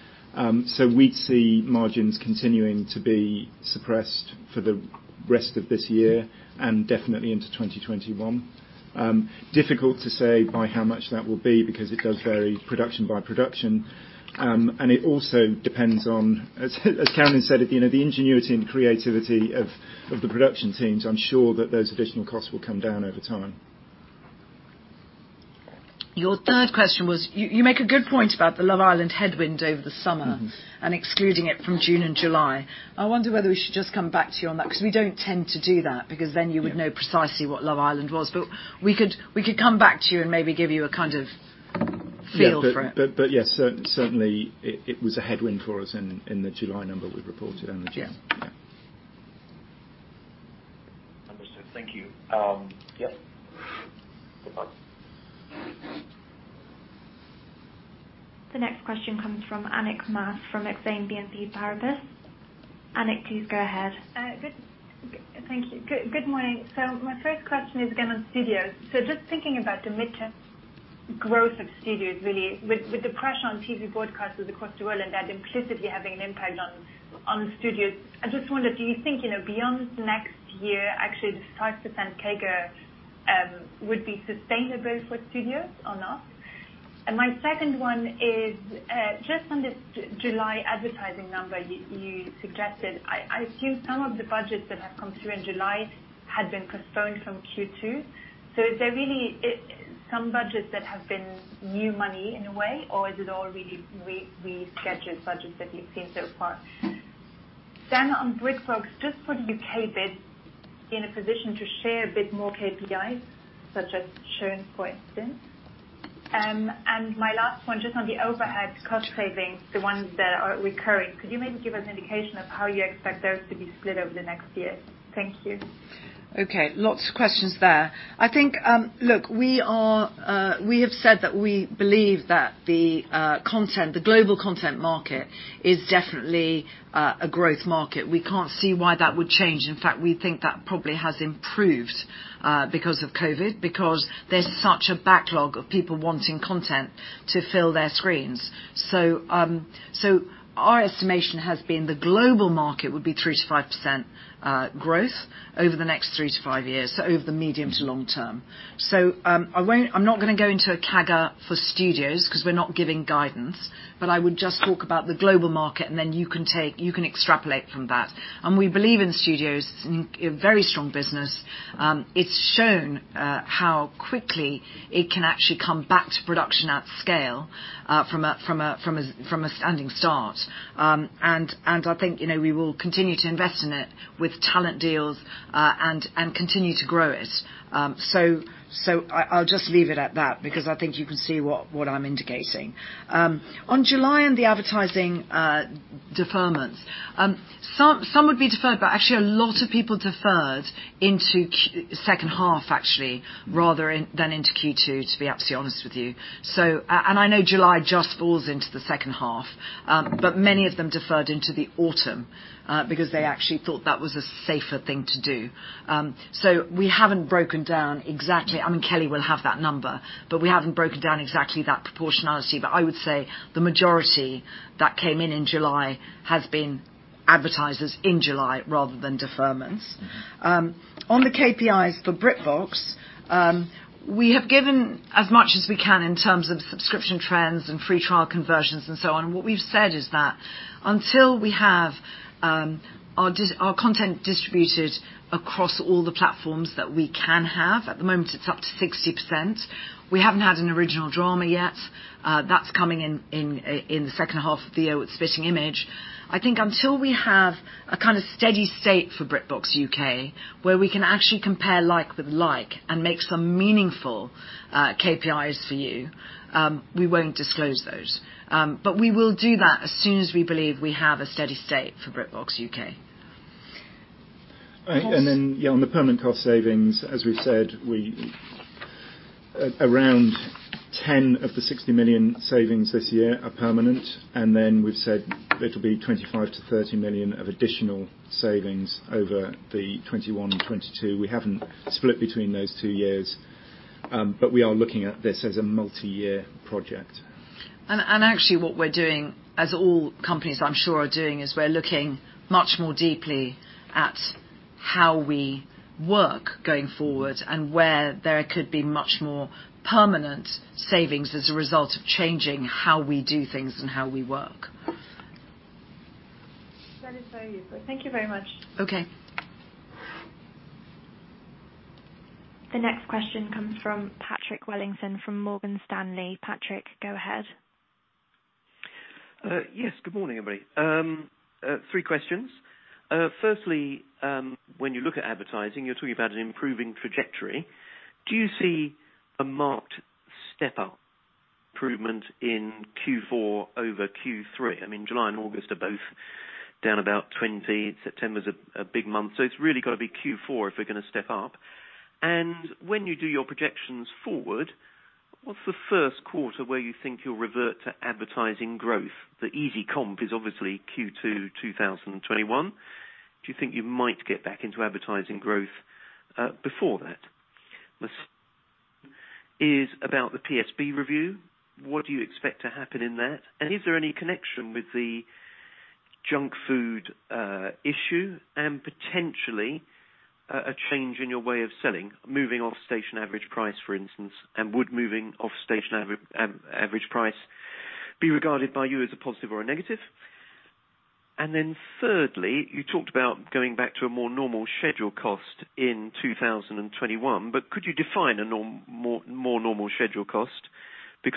We'd see margins continuing to be suppressed for the rest of this year and definitely into 2021. Difficult to say by how much that will be, because it does vary production by production. It also depends on, as Carolyn said, the ingenuity and creativity of the production teams. I'm sure that those additional costs will come down over time. Your third question was, you make a good point about the "Love Island" headwind over the summer. Excluding it from June and July. I wonder whether we should just come back to you on that, because we don't tend to do that, because then you would know precisely what "Love Island" was. We could come back to you and maybe give you a kind of feel for it. Yes, certainly, it was a headwind for us in the July number we reported on the 10th. Yeah. Understood. Thank you. Yep. Goodbye. The next question comes from Annick Maas from Exane BNP Paribas. Annick, please go ahead. Thank you. Good morning. My first question is, again, on studios. Just thinking about the midterm growth of studios, really, with the pressure on TV broadcasters across the world, and that implicitly having an impact on studios, I just wonder, do you think, beyond next year, actually the 6% CAGR would be sustainable for studios or not? My second one is, just on this July advertising number you suggested, I assume some of the budgets that have come through in July had been postponed from Q2. Is there really some budgets that have been new money in a way, or is it all really rescheduled budgets that we've seen so far? On BritBox, just for the U.K. bit, are you in a position to share a bit more KPIs, such as churn, for instance? My last one, just on the overhead cost savings, the ones that are recurring, could you maybe give an indication of how you expect those to be split over the next year? Thank you. Okay, lots of questions there. Look, we have said that we believe that the global content market is definitely a growth market. We can't see why that would change. In fact, we think that probably has improved because of COVID, because there's such a backlog of people wanting content to fill their screens. Our estimation has been the global market would be 3%-5% growth over the next three to five years, so over the medium to long term. I'm not going to go into a CAGR for studios because we're not giving guidance, but I would just talk about the global market and then you can extrapolate from that. We believe in studios, a very strong business. It's shown how quickly it can actually come back to production at scale, from a standing start. I think we will continue to invest in it with talent deals, and continue to grow it. I'll just leave it at that because I think you can see what I'm indicating. On July and the advertising deferment. Some would be deferred, but actually a lot of people deferred into second half, actually, rather than into Q2, to be absolutely honest with you. I know July just falls into the second half, but many of them deferred into the autumn, because they actually thought that was a safer thing to do. We haven't broken down exactly. I mean, Kelly will have that number, but we haven't broken down exactly that proportionality. I would say the majority that came in in July has been advertisers in July rather than deferments. On the KPIs for BritBox, we have given as much as we can in terms of subscription trends and free trial conversions and so on. What we've said is that until we have our content distributed across all the platforms that we can have, at the moment it's up to 60%. We haven't had an original drama yet. That's coming in the second half of the year with "Spitting Image." I think until we have a steady state for BritBox UK, where we can actually compare like with like and make some meaningful KPIs for you, we won't disclose those. We will do that as soon as we believe we have a steady state for BritBox UK. On the permanent cost savings, as we've said, around 10 of the 60 million savings this year are permanent. We've said it'll be 25 million-30 million of additional savings over the 2021/2022. We haven't split between those two years. We are looking at this as a multi-year project. Actually what we're doing, as all companies I'm sure are doing, is we're looking much more deeply at how we work going forward and where there could be much more permanent savings as a result of changing how we do things and how we work. That is very useful. Thank you very much. Okay. The next question comes from Patrick Wellington from Morgan Stanley. Patrick, go ahead. Yes, good morning, everybody. Three questions. Firstly, when you look at advertising, you're talking about an improving trajectory. Do you see a marked step-up improvement in Q4 over Q3? I mean, July and August are both down about 20. September's a big month. It's really got to be Q4 if we're going to step up. When you do your projections forward, what's the first quarter where you think you'll revert to advertising growth? The easy comp is obviously Q2 2021. Do you think you might get back into advertising growth before that? The second is about the PSB review. What do you expect to happen in that? Is there any connection with the junk food issue and potentially a change in your way of selling, moving off station average price, for instance, and would moving off station average price be regarded by you as a positive or a negative? Thirdly, you talked about going back to a more normal schedule cost in 2021. Could you define a more normal schedule cost?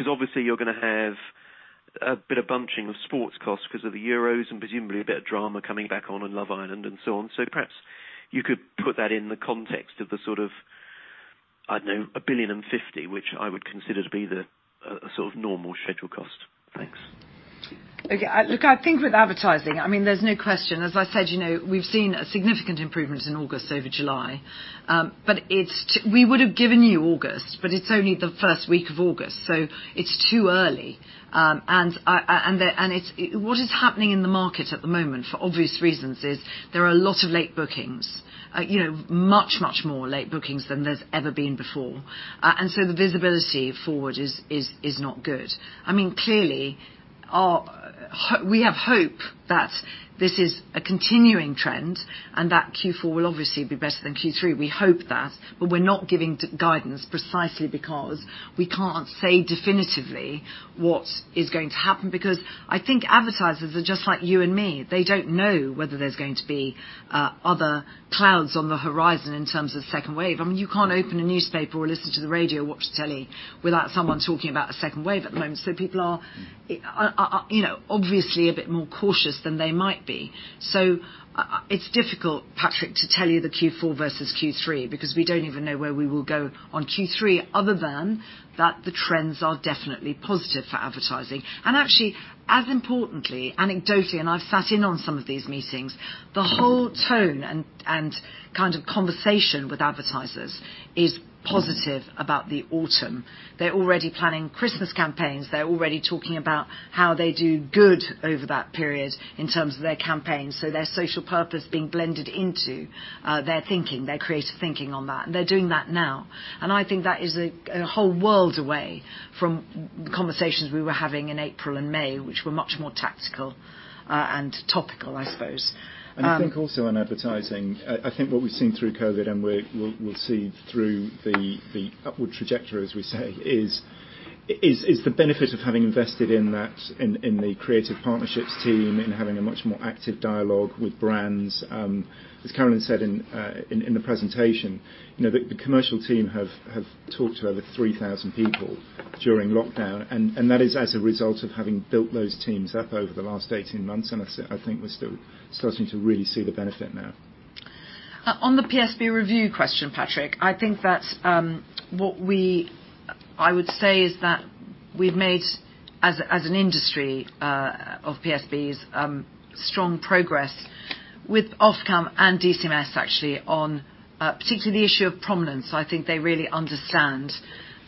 Obviously you're going to have a bit of bunching of sports costs because of the Euros and presumably a bit of drama coming back on in "Love Island" and so on. Perhaps you could put that in the context of the sort of, I don't know, 1,050 million, which I would consider to be the normal schedule cost. Thanks. Okay. Look, I think with advertising, there's no question. As I said, we've seen a significant improvement in August over July. We would have given you August, but it's only the first week of August, so it's too early. What is happening in the market at the moment, for obvious reasons, is there are a lot of late bookings. Much more late bookings than there's ever been before. The visibility forward is not good. I mean, clearly we have hope that this is a continuing trend and that Q4 will obviously be better than Q3. We hope that, but we're not giving guidance precisely because we can't say definitively what is going to happen, because I think advertisers are just like you and me. They don't know whether there's going to be other clouds on the horizon in terms of second wave. You can't open a newspaper or listen to the radio, watch the telly, without someone talking about a second wave at the moment. People are obviously a bit more cautious than they might be. It's difficult, Patrick, to tell you the Q4 versus Q3, because we don't even know where we will go on Q3 other than that the trends are definitely positive for advertising. Actually, as importantly, anecdotally, and I've sat in on some of these meetings, the whole tone and conversation with advertisers is positive about the autumn. They're already planning Christmas campaigns. They're already talking about how they do good over that period in terms of their campaigns, so their social purpose being blended into their creative thinking on that. They're doing that now. I think that is a whole world away from conversations we were having in April and May, which were much more tactical and topical, I suppose. I think also in advertising, I think what we've seen through COVID and we'll see through the upward trajectory, as we say, is the benefit of having invested in the Creative Partnerships Team, in having a much more active dialogue with brands. As Carolyn said in the presentation, the commercial team have talked to over 3,000 people during lockdown, and that is as a result of having built those teams up over the last 18 months, and I think we're still starting to really see the benefit now. On the PSB review question, Patrick, I think that what I would say is that we've made, as an industry of PSBs, strong progress with Ofcom and DCMS actually on particularly the issue of prominence. I think they really understand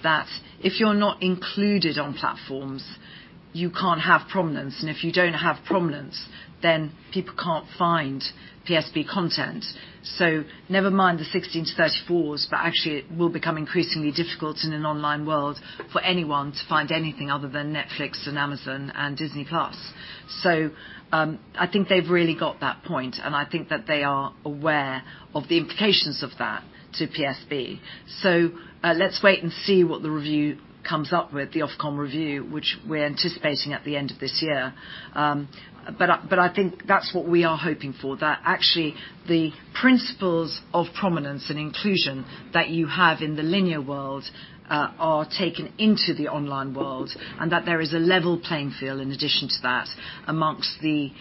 that if you're not included on platforms, you can't have prominence. If you don't have prominence, then people can't find PSB content. Never mind the 16 to 34s, but actually it will become increasingly difficult in an online world for anyone to find anything other than Netflix and Amazon and Disney+. I think they've really got that point, and I think that they are aware of the implications of that to PSB. Let's wait and see what the review comes up with, the Ofcom review, which we're anticipating at the end of this year. I think that's what we are hoping for, that actually the principles of prominence and inclusion that you have in the linear world are taken into the online world, and that there is a level playing field in addition to that amongst the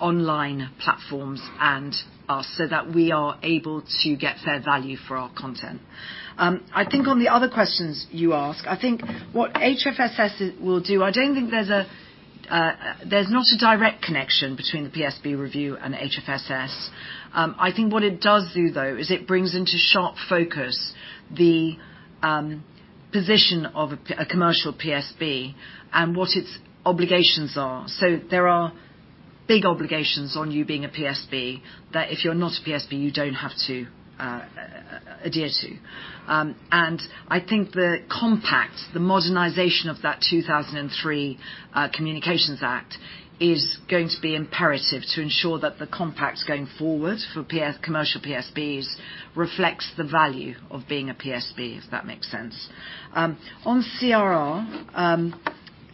online platforms and us, so that we are able to get fair value for our content. I think on the other questions you ask, I think what HFSS will do, there's not a direct connection between the PSB review and HFSS. I think what it does do, though, is it brings into sharp focus the position of a commercial PSB and what its obligations are. There are big obligations on you being a PSB, that if you're not a PSB, you don't have to adhere to. I think the compact, the modernization of that 2003 Communications Act, is going to be imperative to ensure that the compact going forward for commercial PSBs reflects the value of being a PSB, if that makes sense. CRR,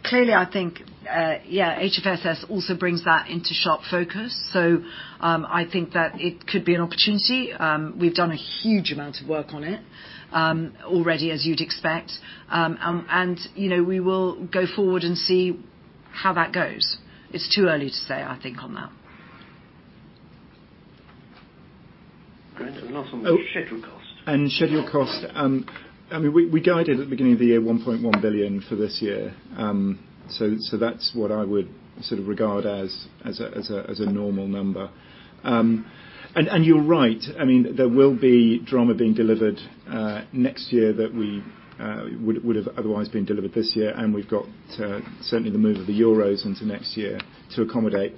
clearly, I think HFSS also brings that into sharp focus. I think that it could be an opportunity. We've done a huge amount of work on it already, as you'd expect. We will go forward and see how that goes. It's too early to say, I think, on that. Great. Last one, the schedule cost. Schedule cost. We guided at the beginning of the year 1.1 billion for this year. That's what I would regard as a normal number. You're right, there will be drama being delivered next year that would've otherwise been delivered this year, and we've got certainly the move of the Euros into next year to accommodate.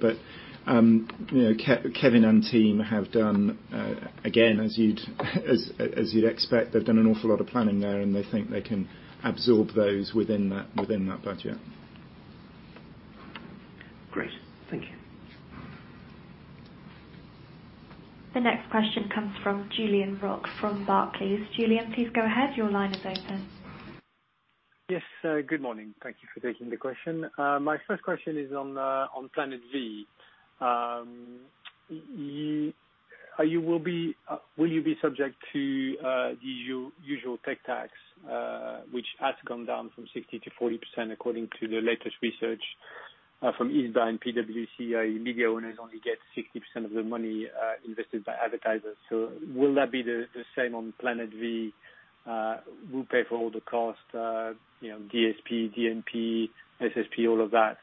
Kevin and team have done, again, as you'd expect, they've done an awful lot of planning there, and they think they can absorb those within that budget. Great. Thank you. The next question comes from Julien Roch from Barclays. Julien, please go ahead. Your line is open. Yes. Good morning. Thank you for taking the question. My first question is on Planet V. Will you be subject to the usual tech tax, which has gone down from 60%-40%, according to the latest research from ISBA and PwC, media owners only get 60% of the money invested by advertisers. Will that be the same on Planet V? Who'll pay for all the cost, DSP, DMP, SSP, all of that.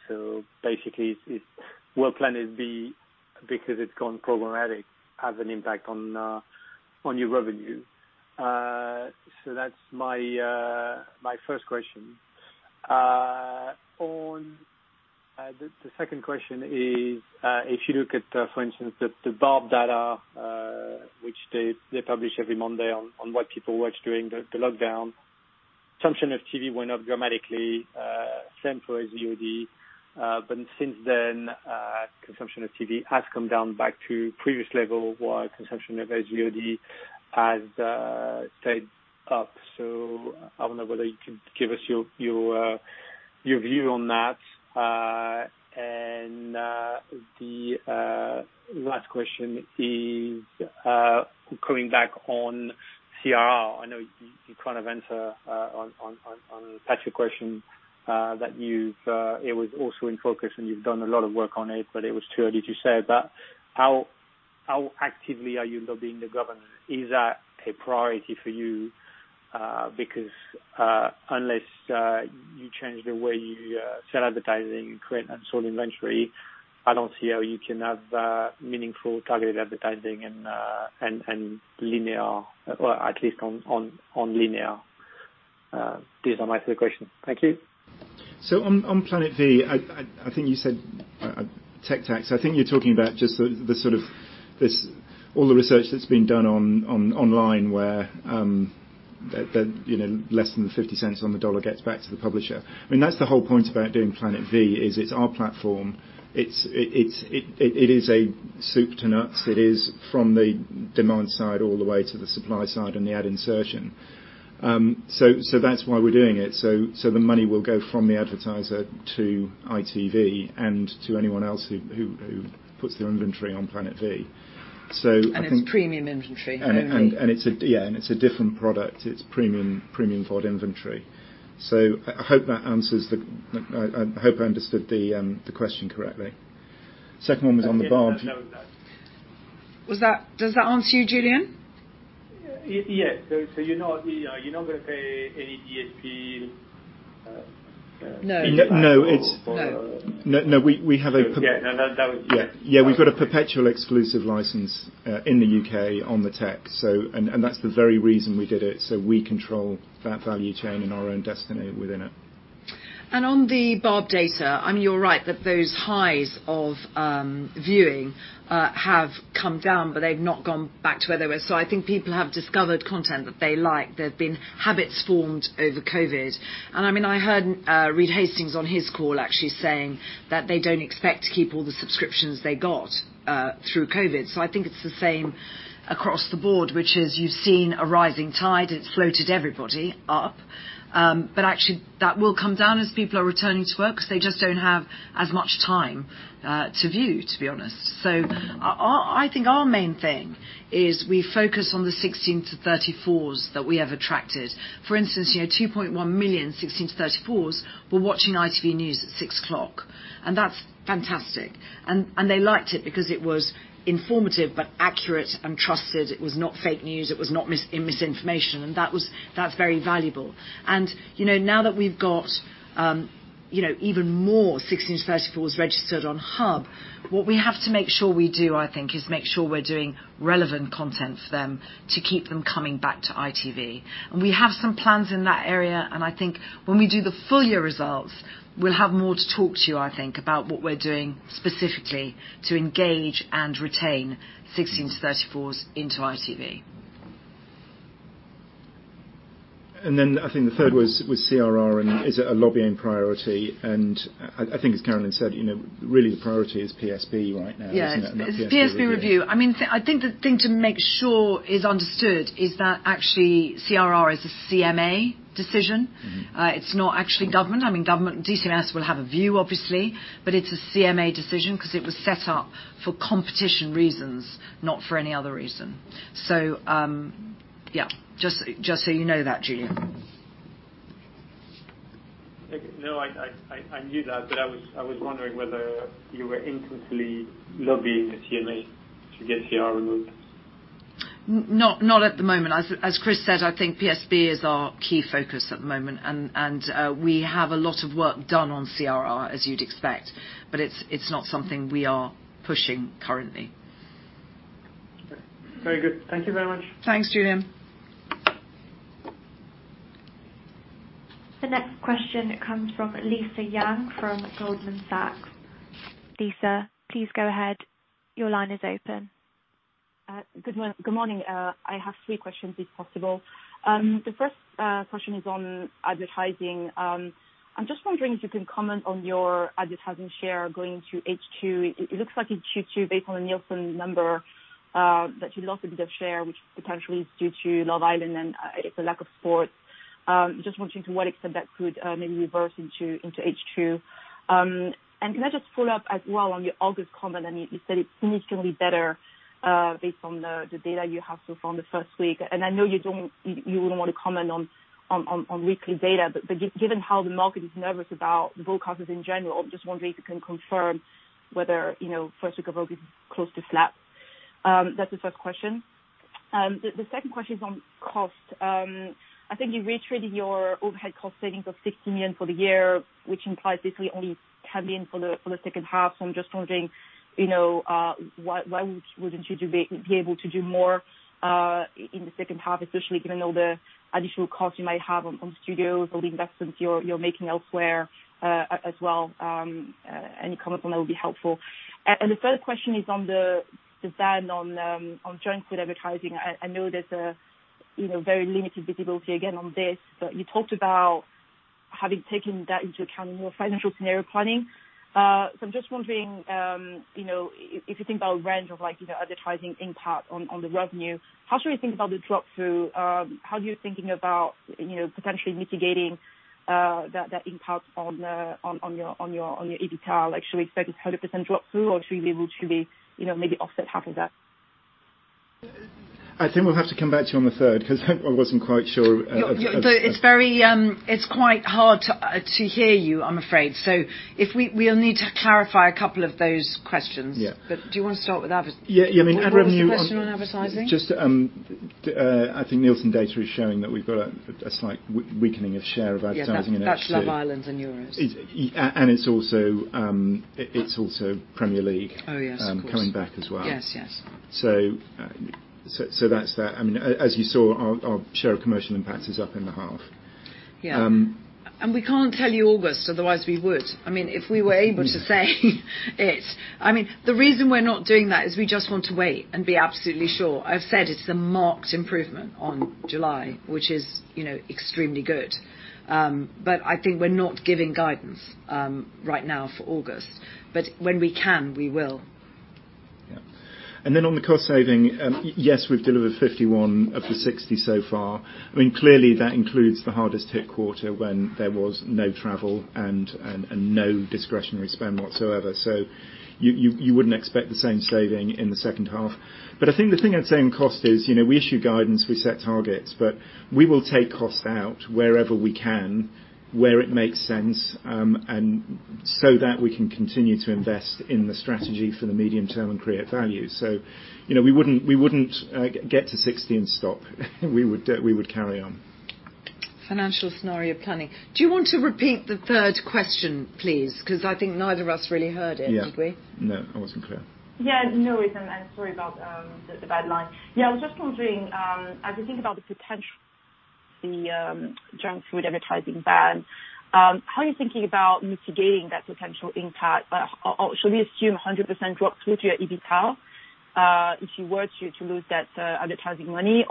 Basically, will Planet V, because it's gone problematic, have an impact on your revenue? That's my first question. The second question is, if you look at, for instance, the Barb data, which they publish every Monday on what people watch during the lockdown. Consumption of TV went up dramatically, same for SVOD. Since then, consumption of TV has come down back to previous level, while consumption of SVOD has stayed up. I wonder whether you could give us your view on that. The last question is coming back on CRR. I know you kind of answered on Patrick's question that it was also in focus, and you've done a lot of work on it, but it was too early to say. How actively are you lobbying the government? Is that a priority for you? Because unless you change the way you sell advertising and create unsold inventory, I don't see how you can have meaningful targeted advertising and linear, or at least on linear. These are my three questions. Thank you. On Planet V, I think you said tech tax. I think you are talking about just all the research that has been done online where less than 0.50 on the dollar gets back to the publisher. That is the whole point about doing Planet V, is it is our platform. It is a soup to nuts. It is from the demand side all the way to the supply side and the ad insertion. That is why we are doing it. The money will go from the advertiser to ITV and to anyone else who puts their inventory on Planet V. It's premium inventory only. Yeah. It's a different product. It's premium VOD inventory. I hope I understood the question correctly. Second one was on the Barb. Okay. No. Does that answer you, Julien? Yes. You're not going to pay any DSP- No No. We have. Yeah. Yeah, we've got a perpetual exclusive license in the U.K. on the tech. That's the very reason we did it. We control that value chain and our own destiny within it. On the Barb data, you're right that those highs of viewing have come down, but they've not gone back to where they were. I think people have discovered content that they like. There've been habits formed over COVID. I heard Reed Hastings on his call actually saying that they don't expect to keep all the subscriptions they got through COVID. I think it's the same across the board, which is you've seen a rising tide, it's floated everybody up. Actually, that will come down as people are returning to work because they just don't have as much time to view, to be honest. I think our main thing is we focus on the 16 to 34s that we have attracted. For instance, 2.1 million 16 to 34s were watching ITV News at 6:00, and that's fantastic. They liked it because it was informative but accurate and trusted. It was not fake news. It was not misinformation, that's very valuable. Now that we've got even more 16 to 34s registered on Hub, what we have to make sure we do, I think, is make sure we're doing relevant content for them to keep them coming back to ITV. We have some plans in that area, and I think when we do the full year results, we'll have more to talk to you, I think, about what we're doing specifically to engage and retain 16 to 34s into ITV. I think the third was CRR, is it a lobbying priority? I think as Carolyn said, really the priority is PSB right now. Yeah. That PSB review. PSB review. I think the thing to make sure is understood is that actually CRR is a CMA decision. It's not actually government. DCMS will have a view, obviously, but it's a CMA decision because it was set up for competition reasons, not for any other reason. Yeah, just so you know that, Julien. No, I knew that, but I was wondering whether you were intensely lobbying the CMA to get CRR removed. Not at the moment. As Chris said, I think PSB is our key focus at the moment, and we have a lot of work done on CRR, as you'd expect, but it's not something we are pushing currently. Very good. Thank you very much. Thanks, Julien. The next question comes from Lisa Yang from Goldman Sachs. Lisa, please go ahead. Your line is open. Good morning. I have three questions, if possible. The first question is on advertising. I'm just wondering if you can comment on your advertising share going into H2. It looks like in Q2, based on the Nielsen number, that you lost a bit of share, which potentially is due to "Love Island" and it's the lack of sports. Just wondering to what extent that could maybe reverse into H2. Can I just follow up as well on your August comment? You said it's significantly better based on the data you have so far on the first week. I know you wouldn't want to comment on weekly data, but given how the market is nervous about broadcasters in general, just wondering if you can confirm whether first week of August is close to flat. That's the first question. The second question is on cost. I think you retreated your overhead cost savings of 60 million for the year, which implies basically only 10 million for the second half. I am just wondering why would not you be able to do more in the second half, especially given all the additional costs you might have on studios or the investments you are making elsewhere, as well. Any comment on that would be helpful. The third question is on the ban on junk food advertising. I know there's a very limited visibility again on this, but you talked about having taken that into account in your financial scenario planning. I am just wondering, if you think about a range of advertising impact on the revenue, how should we think about the drop-through? How are you thinking about potentially mitigating that impact on your EBITDA? Should we expect 100% drop-through, or should we maybe offset half of that? I think we'll have to come back to you on the third, because I wasn't quite sure. It's quite hard to hear you, I'm afraid. We'll need to clarify a couple of those questions. Yeah. Do you want to start with advertising? Yeah. What was the question on advertising? Just, I think Nielsen data is showing that we've got a slight weakening of share advertising in H2. Yes, that's "Love Island" and yours. It's also Premier League. Oh, yes. Of course. Coming back as well. Yes. That's that. As you saw, our share of commercial impact is up in the half. Yeah. We can't tell you August, otherwise we would. If we were able to say it. The reason we're not doing that is we just want to wait and be absolutely sure. I've said it's a marked improvement on July, which is extremely good. I think we're not giving guidance right now for August. When we can, we will. Yeah. On the cost saving, yes, we've delivered 51 of the 60 so far. Clearly that includes the hardest hit quarter when there was no travel and no discretionary spend whatsoever. You wouldn't expect the same saving in the second half. I think the thing I'd say on cost is, we issue guidance, we set targets, but we will take costs out wherever we can, where it makes sense, and so that we can continue to invest in the strategy for the medium term and create value. We wouldn't get to 60 and stop. We would carry on. Financial scenario planning. Do you want to repeat the third question, please? I think neither of us really heard it, did we? Yeah. No, that wasn't clear. Yeah. No, sorry about the bad line. I was just wondering, as you think about the potential junk food advertising ban, how are you thinking about mitigating that potential impact? Should we assume 100% drop through to your EBITDA, if you were to lose that advertising money?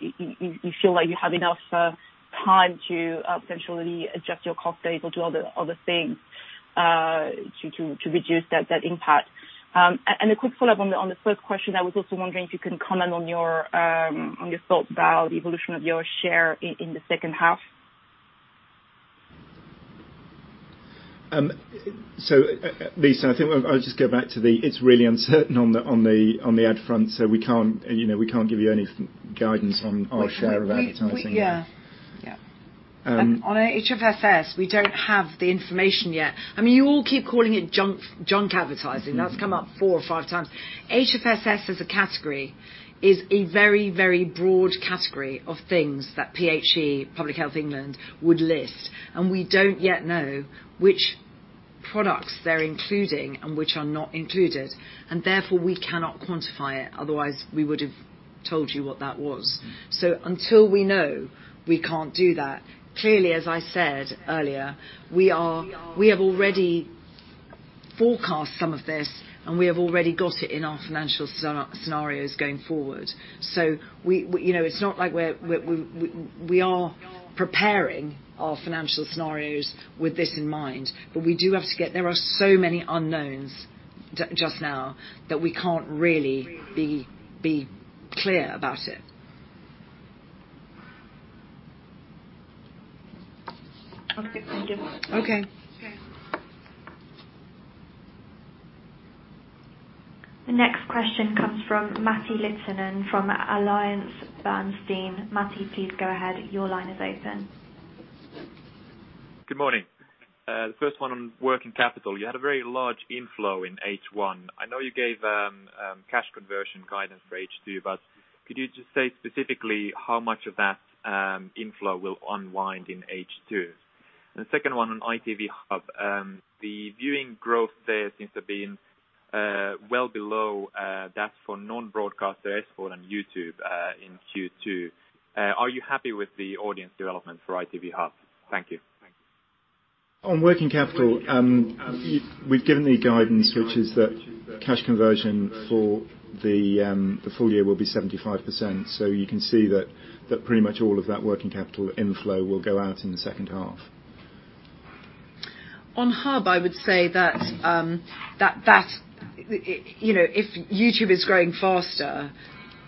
You feel like you have enough time to potentially adjust your cost base or do other things to reduce that impact? A quick follow-up on the first question, I was also wondering if you can comment on your thoughts about the evolution of your share in the second half. Lisa, I think I'll just go back to the it's really uncertain on the ad front, so we can't give you any guidance on our share of advertising. Yeah. On HFSS, we don't have the information yet. You all keep calling it junk advertising. That's come up four or five times. HFSS as a category is a very broad category of things that PHE, Public Health England, would list. We don't yet know which products they're including and which are not included, and therefore we cannot quantify it, otherwise we would've told you what that was. Until we know, we can't do that. Clearly, as I said earlier, we have already forecast some of this, and we have already got it in our financial scenarios going forward. It's not like we are preparing our financial scenarios with this in mind. There are so many unknowns just now that we can't really be clear about it. Okay. Thank you. Okay. Okay. The next question comes from Matti Littunen from AllianceBernstein. Matti, please go ahead. Your line is open. Good morning. The first one on working capital. You had a very large inflow in H1. I know you gave cash conversion guidance for H2, could you just say specifically how much of that inflow will unwind in H2? The second one on ITV Hub. The viewing growth there seems to have been well below that for non-broadcaster esport on YouTube in Q2. Are you happy with the audience development for ITV Hub? Thank you. On working capital, we've given the guidance, which is that cash conversion for the full year will be 75%. You can see that pretty much all of that working capital inflow will go out in the second half. On Hub, I would say that if YouTube is growing faster,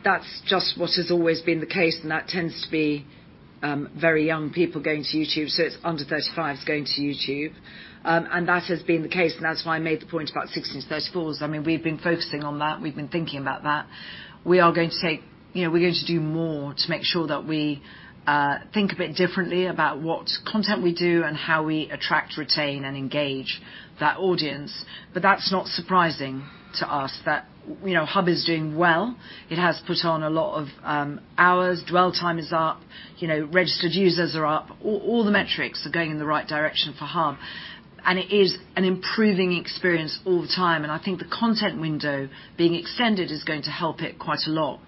that's just what has always been the case, and that tends to be very young people going to YouTube, so it's under 35s going to YouTube. That has been the case, and that's why I made the point about 16 to 34s. We've been focusing on that, we've been thinking about that. We are going to do more to make sure that we think a bit differently about what content we do and how we attract, retain, and engage that audience. That's not surprising to us that Hub is doing well. It has put on a lot of hours. Dwell time is up. Registered users are up. All the metrics are going in the right direction for Hub, and it is an improving experience all the time. I think the content window being extended is going to help it quite a lot,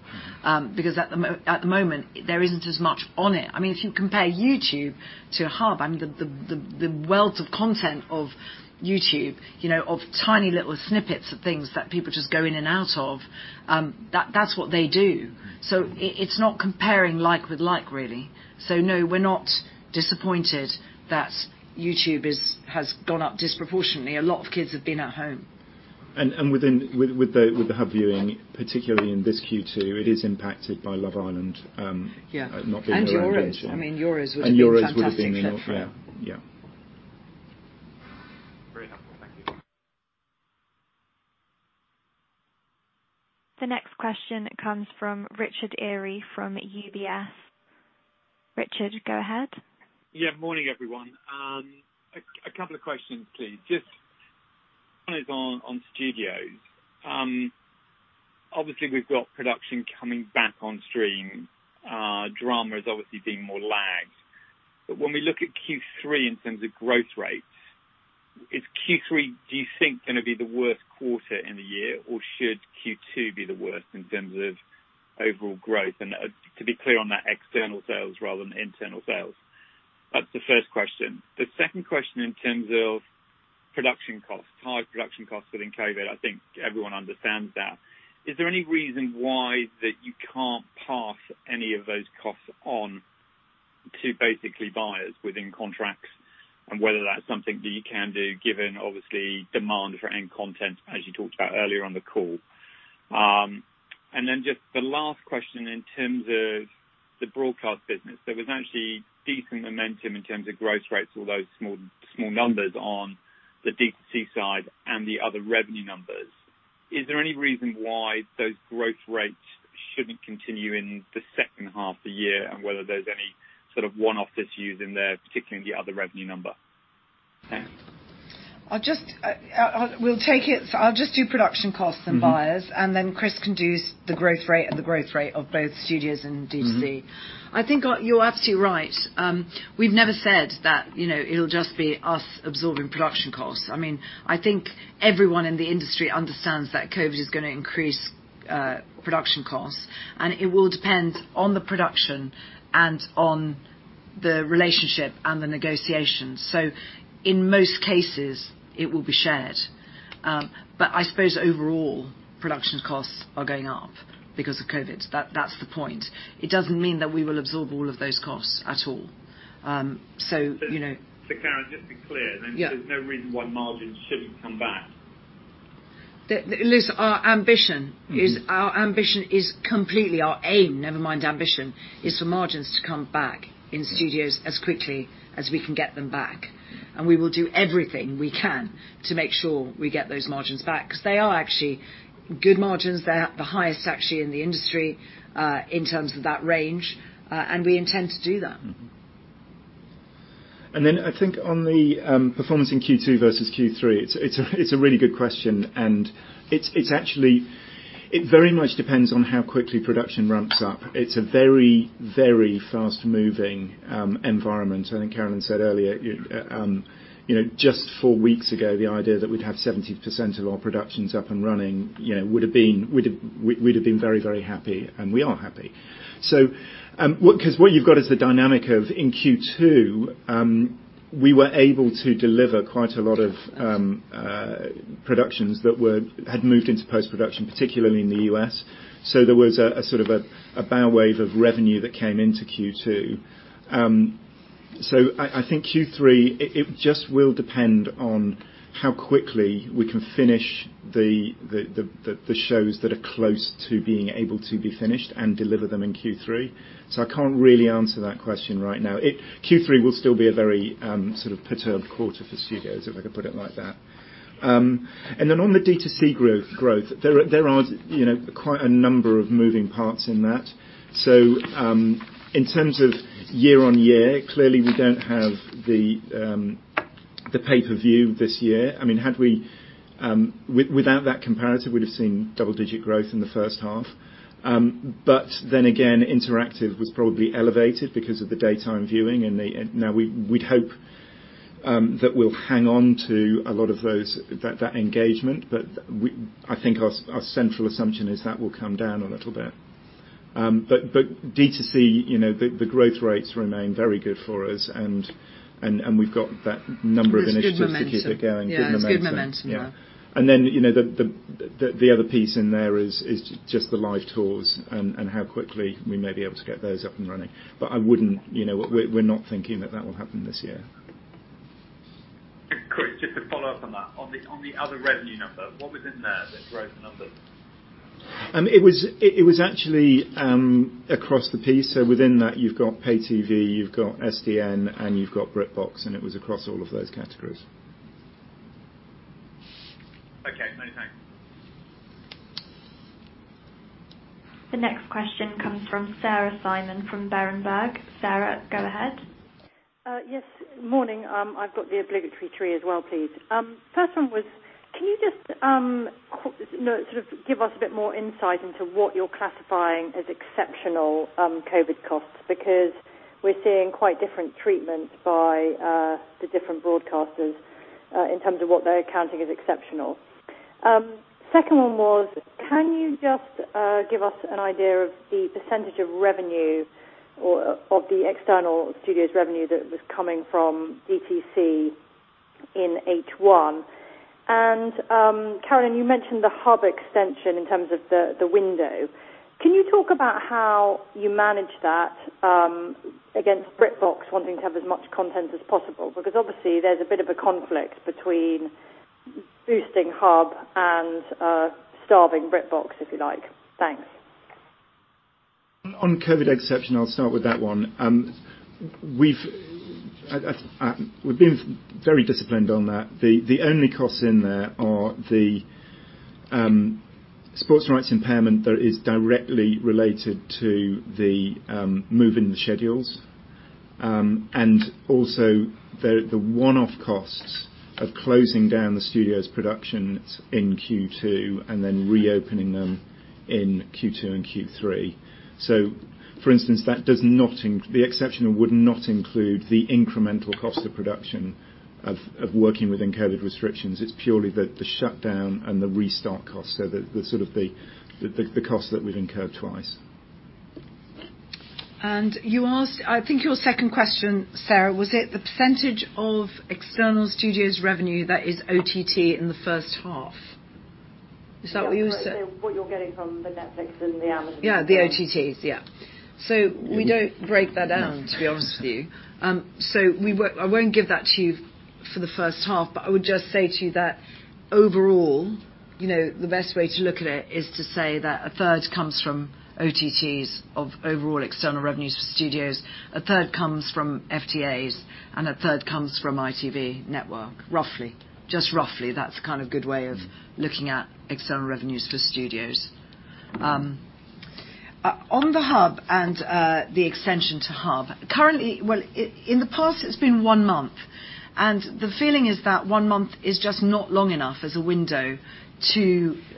because at the moment, there isn't as much on it. If you compare YouTube to Hub, the wealth of content of YouTube, of tiny little snippets of things that people just go in and out of, that's what they do. It's not comparing like with like, really. No, we're not disappointed that YouTube has gone up disproportionately. A lot of kids have been at home. With the Hub viewing, particularly in this Q2, it is impacted by "Love Island". Yeah. Not being there. Euros. Euros would have been in. I mean, Euros was a fantastic set, right? Yeah. Very helpful. Thank you. The next question comes from Richard Eary from UBS. Richard, go ahead. Yeah. Morning, everyone. A couple of questions, please. Just one is on studios. Obviously, we've got production coming back on stream. Drama has obviously been more lagged. When we look at Q3 in terms of growth rates, is Q3, do you think, going to be the worst quarter in the year, or should Q2 be the worst in terms of overall growth? To be clear on that, external sales rather than internal sales. That's the first question. The second question in terms of production costs, higher production costs within COVID, I think everyone understands that. Is there any reason why that you can't pass any of those costs on to basically buyers within contracts, and whether that's something that you can do given, obviously, demand for end content, as you talked about earlier on the call? Just the last question in terms of the broadcast business, there was actually decent momentum in terms of growth rates, although small numbers on the D2C side and the other revenue numbers. Is there any reason why those growth rates shouldn't continue in the second half of the year, and whether there's any sort of one-off that you're using there, particularly in the other revenue number? Thanks. I'll just do production costs and buyers- Then Chris can do the growth rate and the growth rate of both Studios and D2C. I think you're absolutely right. We've never said that it'll just be us absorbing production costs. I think everyone in the industry understands that COVID is going to increase production costs, and it will depend on the production and on the relationship and the negotiation. In most cases it will be shared. I suppose overall, production costs are going up because of COVID. That's the point. It doesn't mean that we will absorb all of those costs at all. You know. Carolyn, just be clear. Yeah. There's no reason why margins shouldn't come back. Listen. Completely our aim, never mind ambition, is for margins to come back in Studios as quickly as we can get them back. We will do everything we can to make sure we get those margins back, because they are actually good margins. They're the highest, actually, in the industry, in terms of that range. We intend to do that. Mm-hmm. Then I think on the performance in Q2 versus Q3, it's a really good question, and it very much depends on how quickly production ramps up. It's a very, very fast-moving environment. I think Carolyn said earlier, just four weeks ago, the idea that we'd have 70% of our productions up and running, we'd have been very, very happy, and we are happy. What you've got is the dynamic of in Q2, we were able to deliver quite a lot of productions that had moved into post-production, particularly in the U.S. There was a sort of a bow wave of revenue that came into Q2. I think Q3, it just will depend on how quickly we can finish the shows that are close to being able to be finished and deliver them in Q3. I can't really answer that question right now. Q3 will still be a very sort of perturbed quarter for studios, if I could put it like that. Then on the D2C growth, there are quite a number of moving parts in that. In terms of year-on-year, clearly we don't have the pay-per-view this year. I mean, had we, without that comparison, we'd have seen double-digit growth in the first half. Then again, interactive was probably elevated because of the daytime viewing, and now we'd hope that we'll hang on to a lot of that engagement. I think our central assumption is that will come down a little bit. D2C, the growth rates remain very good for us, and we've got that number of initiatives to keep it going. There's good momentum. Good momentum. Yeah, there's good momentum there. Yeah. The other piece in there is just the live tours and how quickly we may be able to get those up and running. We're not thinking that that will happen this year. Chris, just to follow up on that. On the other revenue number, what was in there that drove the numbers? It was actually across the piece. Within that, you've got pay TV, you've got SDN, and you've got BritBox, and it was across all of those categories. Okay, many thanks. The next question comes from Sarah Simon from Berenberg. Sarah, go ahead. Yes. Morning. I've got the obligatory three as well, please. First one was, can you just give us a bit more insight into what you're classifying as exceptional COVID costs? We're seeing quite different treatments by the different broadcasters in terms of what they're counting as exceptional. Second one was, can you just give us an idea of the percent of revenue or of the external studios revenue that was coming from DTC in H1? Carolyn, you mentioned the Hub extension in terms of the window. Can you talk about how you manage that against BritBox wanting to have as much content as possible? Obviously there's a bit of a conflict between boosting Hub and starving BritBox, if you like. Thanks. COVID exception, I'll start with that one. We've been very disciplined on that. The only costs in there are the sports rights impairment that is directly related to the move in the schedules. Also, the one-off costs of closing down the studio's productions in Q2 and then reopening them in Q2 and Q3. For instance, the exception would not include the incremental cost of production of working within COVID restrictions. It's purely the shutdown and the restart cost, the cost that we've incurred twice. You asked, I think your second question, Sarah, was it the percentage of external studios revenue that is OTT in the first half? Is that what you said? Yeah. What you're getting from the Netflix and the Amazons of the world. The OTTs. Yeah. We don't break that down, to be honest with you. I won't give that to you for the first half, but I would just say to you that overall, the best way to look at it is to say that a third comes from OTTs of overall external revenues for studios, a third comes from FTAs, and a third comes from ITV Network, roughly. Just roughly. That's a kind of good way of looking at external revenues for studios. On the Hub and the extension to Hub. Well, in the past it's been one month, and the feeling is that one month is just not long enough as a window to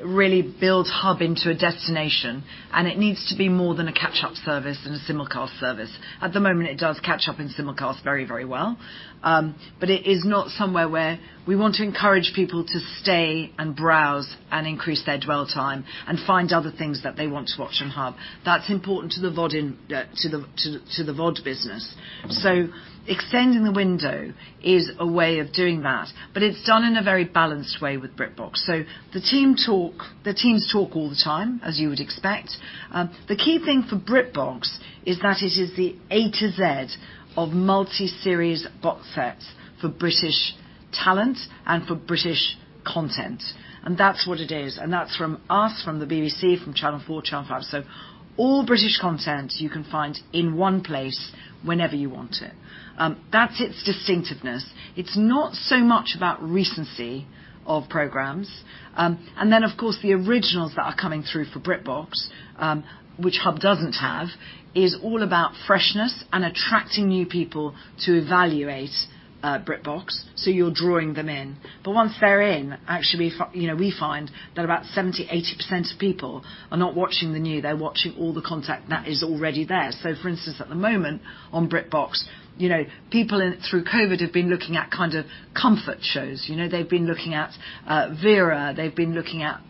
really build Hub into a destination, and it needs to be more than a catch-up service and a simulcast service. At the moment it does catch up and simulcast very well, but it is not somewhere where we want to encourage people to stay and browse and increase their dwell time and find other things that they want to watch on Hub. That's important to the VOD business. Extending the window is a way of doing that, but it's done in a very balanced way with BritBox. The teams talk all the time, as you would expect. The key thing for BritBox is that it is the A to Z of multi-series box sets for British talent and for British content, and that's what it is. That's from us, from the BBC, from Channel 4, Channel 5. All British content you can find in one place whenever you want it. That's its distinctiveness. It's not so much about recency of programs. Of course, the originals that are coming through for BritBox, which Hub doesn't have, is all about freshness and attracting new people to evaluate BritBox, so you're drawing them in. Once they're in, actually, we find that about 70%-80% of people are not watching the new. They're watching all the content that is already there. For instance, at the moment on BritBox, people through COVID have been looking at kind of comfort shows. They've been looking at Vera, they've been looking at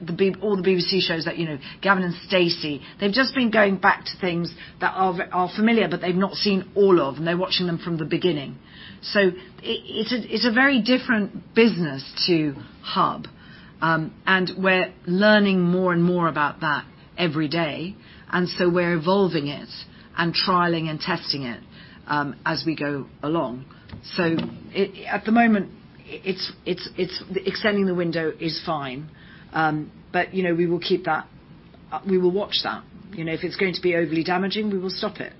all the BBC shows that, Gavin & Stacey. They've just been going back to things that are familiar but they've not seen all of, and they're watching them from the beginning. It's a very different business to Hub. We're learning more and more about that every day, we're evolving it and trialing and testing it as we go along. At the moment, extending the window is fine. We will watch that. If it's going to be overly damaging, we will stop it.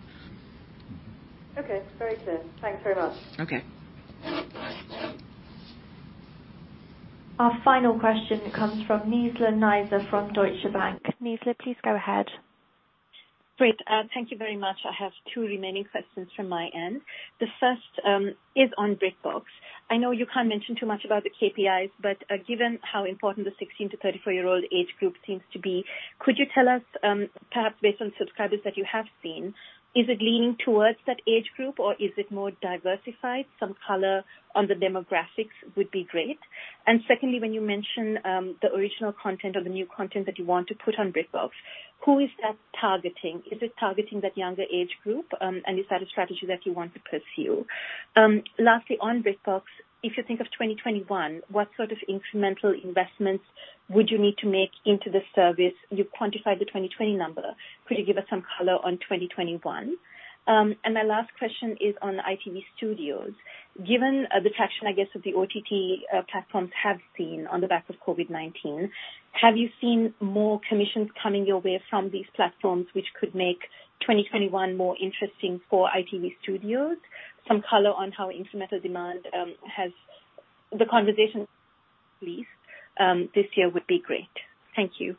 Okay. Very clear. Thanks very much. Okay. Our final question comes from Nizla Naizer from Deutsche Bank. Nizla, please go ahead. Great. Thank you very much. I have two remaining questions from my end. The first is on BritBox. I know you can't mention too much about the KPIs, but given how important the 16 to 34-year-old age group seems to be, could you tell us, perhaps based on subscribers that you have seen, is it leaning towards that age group or is it more diversified? Some color on the demographics would be great. Secondly, when you mention the original content or the new content that you want to put on BritBox, who is that targeting? Is it targeting that younger age group? Is that a strategy that you want to pursue? Lastly on BritBox, if you think of 2021, what sort of incremental investments would you need to make into the service? You've quantified the 2020 number. Could you give us some color on 2021? My last question is on the ITV Studios. Given the traction, I guess of the OTT platforms have seen on the back of COVID-19. Have you seen more commissions coming your way from these platforms, which could make 2021 more interesting for ITV Studios? Some color on how instrumental demand has the conversation, please, this year would be great. Thank you.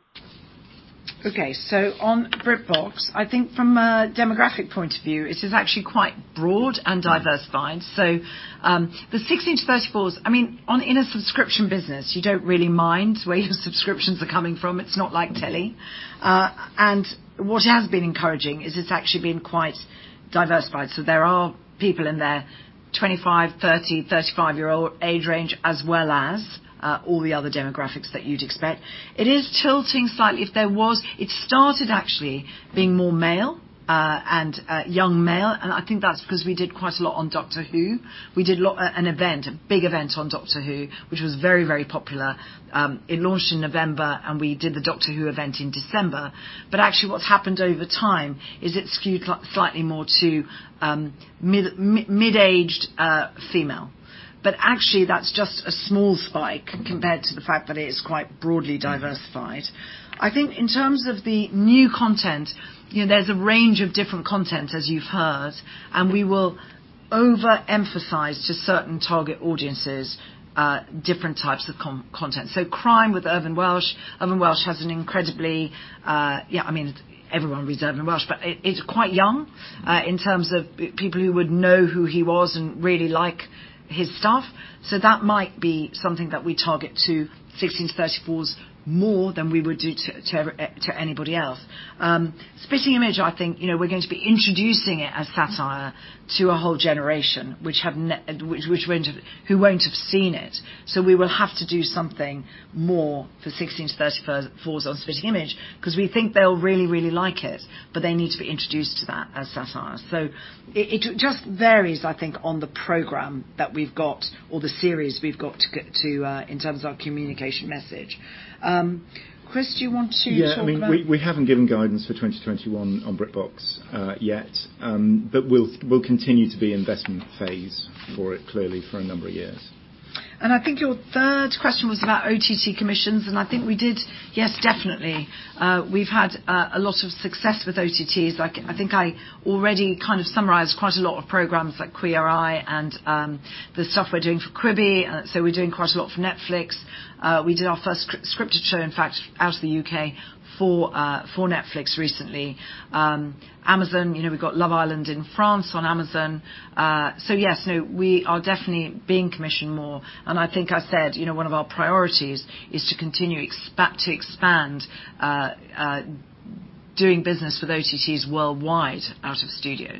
Okay. On BritBox, I think from a demographic point of view, it is actually quite broad and diversified. The 16 to 34s, in a subscription business, you don't really mind where your subscriptions are coming from. It's not like telly. What has been encouraging is it's actually been quite diversified. There are people in their 25, 30, 35-year-old age range, as well as all the other demographics that you'd expect. It is tilting slightly. It started actually being more male, and young male, and I think that's because we did quite a lot on "Doctor Who." We did an event, a big event on "Doctor Who," which was very, very popular. It launched in November and we did the "Doctor Who" event in December. Actually what's happened over time is it skewed slightly more to mid-aged female. Actually that's just a small spike compared to the fact that it is quite broadly diversified. I think in terms of the new content, there's a range of different content as you've heard, and we will overemphasize to certain target audiences, different types of content. Crime with Irvine Welsh. Everyone reads Irvine Welsh, but it's quite young, in terms of people who would know who he was and really like his stuff. That might be something that we target to 16 to 34s more than we would do to anybody else. "Spitting Image," I think, we're going to be introducing it as satire to a whole generation, who won't have seen it. We will have to do something more for 16-34s on "Spitting Image," because we think they'll really, really like it, but they need to be introduced to that as satire. It just varies, I think, on the program that we've got or the series we've got in terms of our communication message. Chris, do you want to talk about- Yeah, we haven't given guidance for 2021 on BritBox yet. We'll continue to be investment phase for it clearly for a number of years. I think your third question was about OTT commissions. I think we did, yes, definitely. We've had a lot of success with OTTs. I think I already kind of summarized quite a lot of programs like "Queer Eye" and the stuff we're doing for Quibi. We're doing quite a lot for Netflix. We did our first scripted show, in fact, out of the U.K. for Netflix recently. Amazon, we've got "Love Island" in France on Amazon. Yes, no, we are definitely being commissioned more. I think I said, one of our priorities is to continue to expand doing business with OTTs worldwide out of Studios.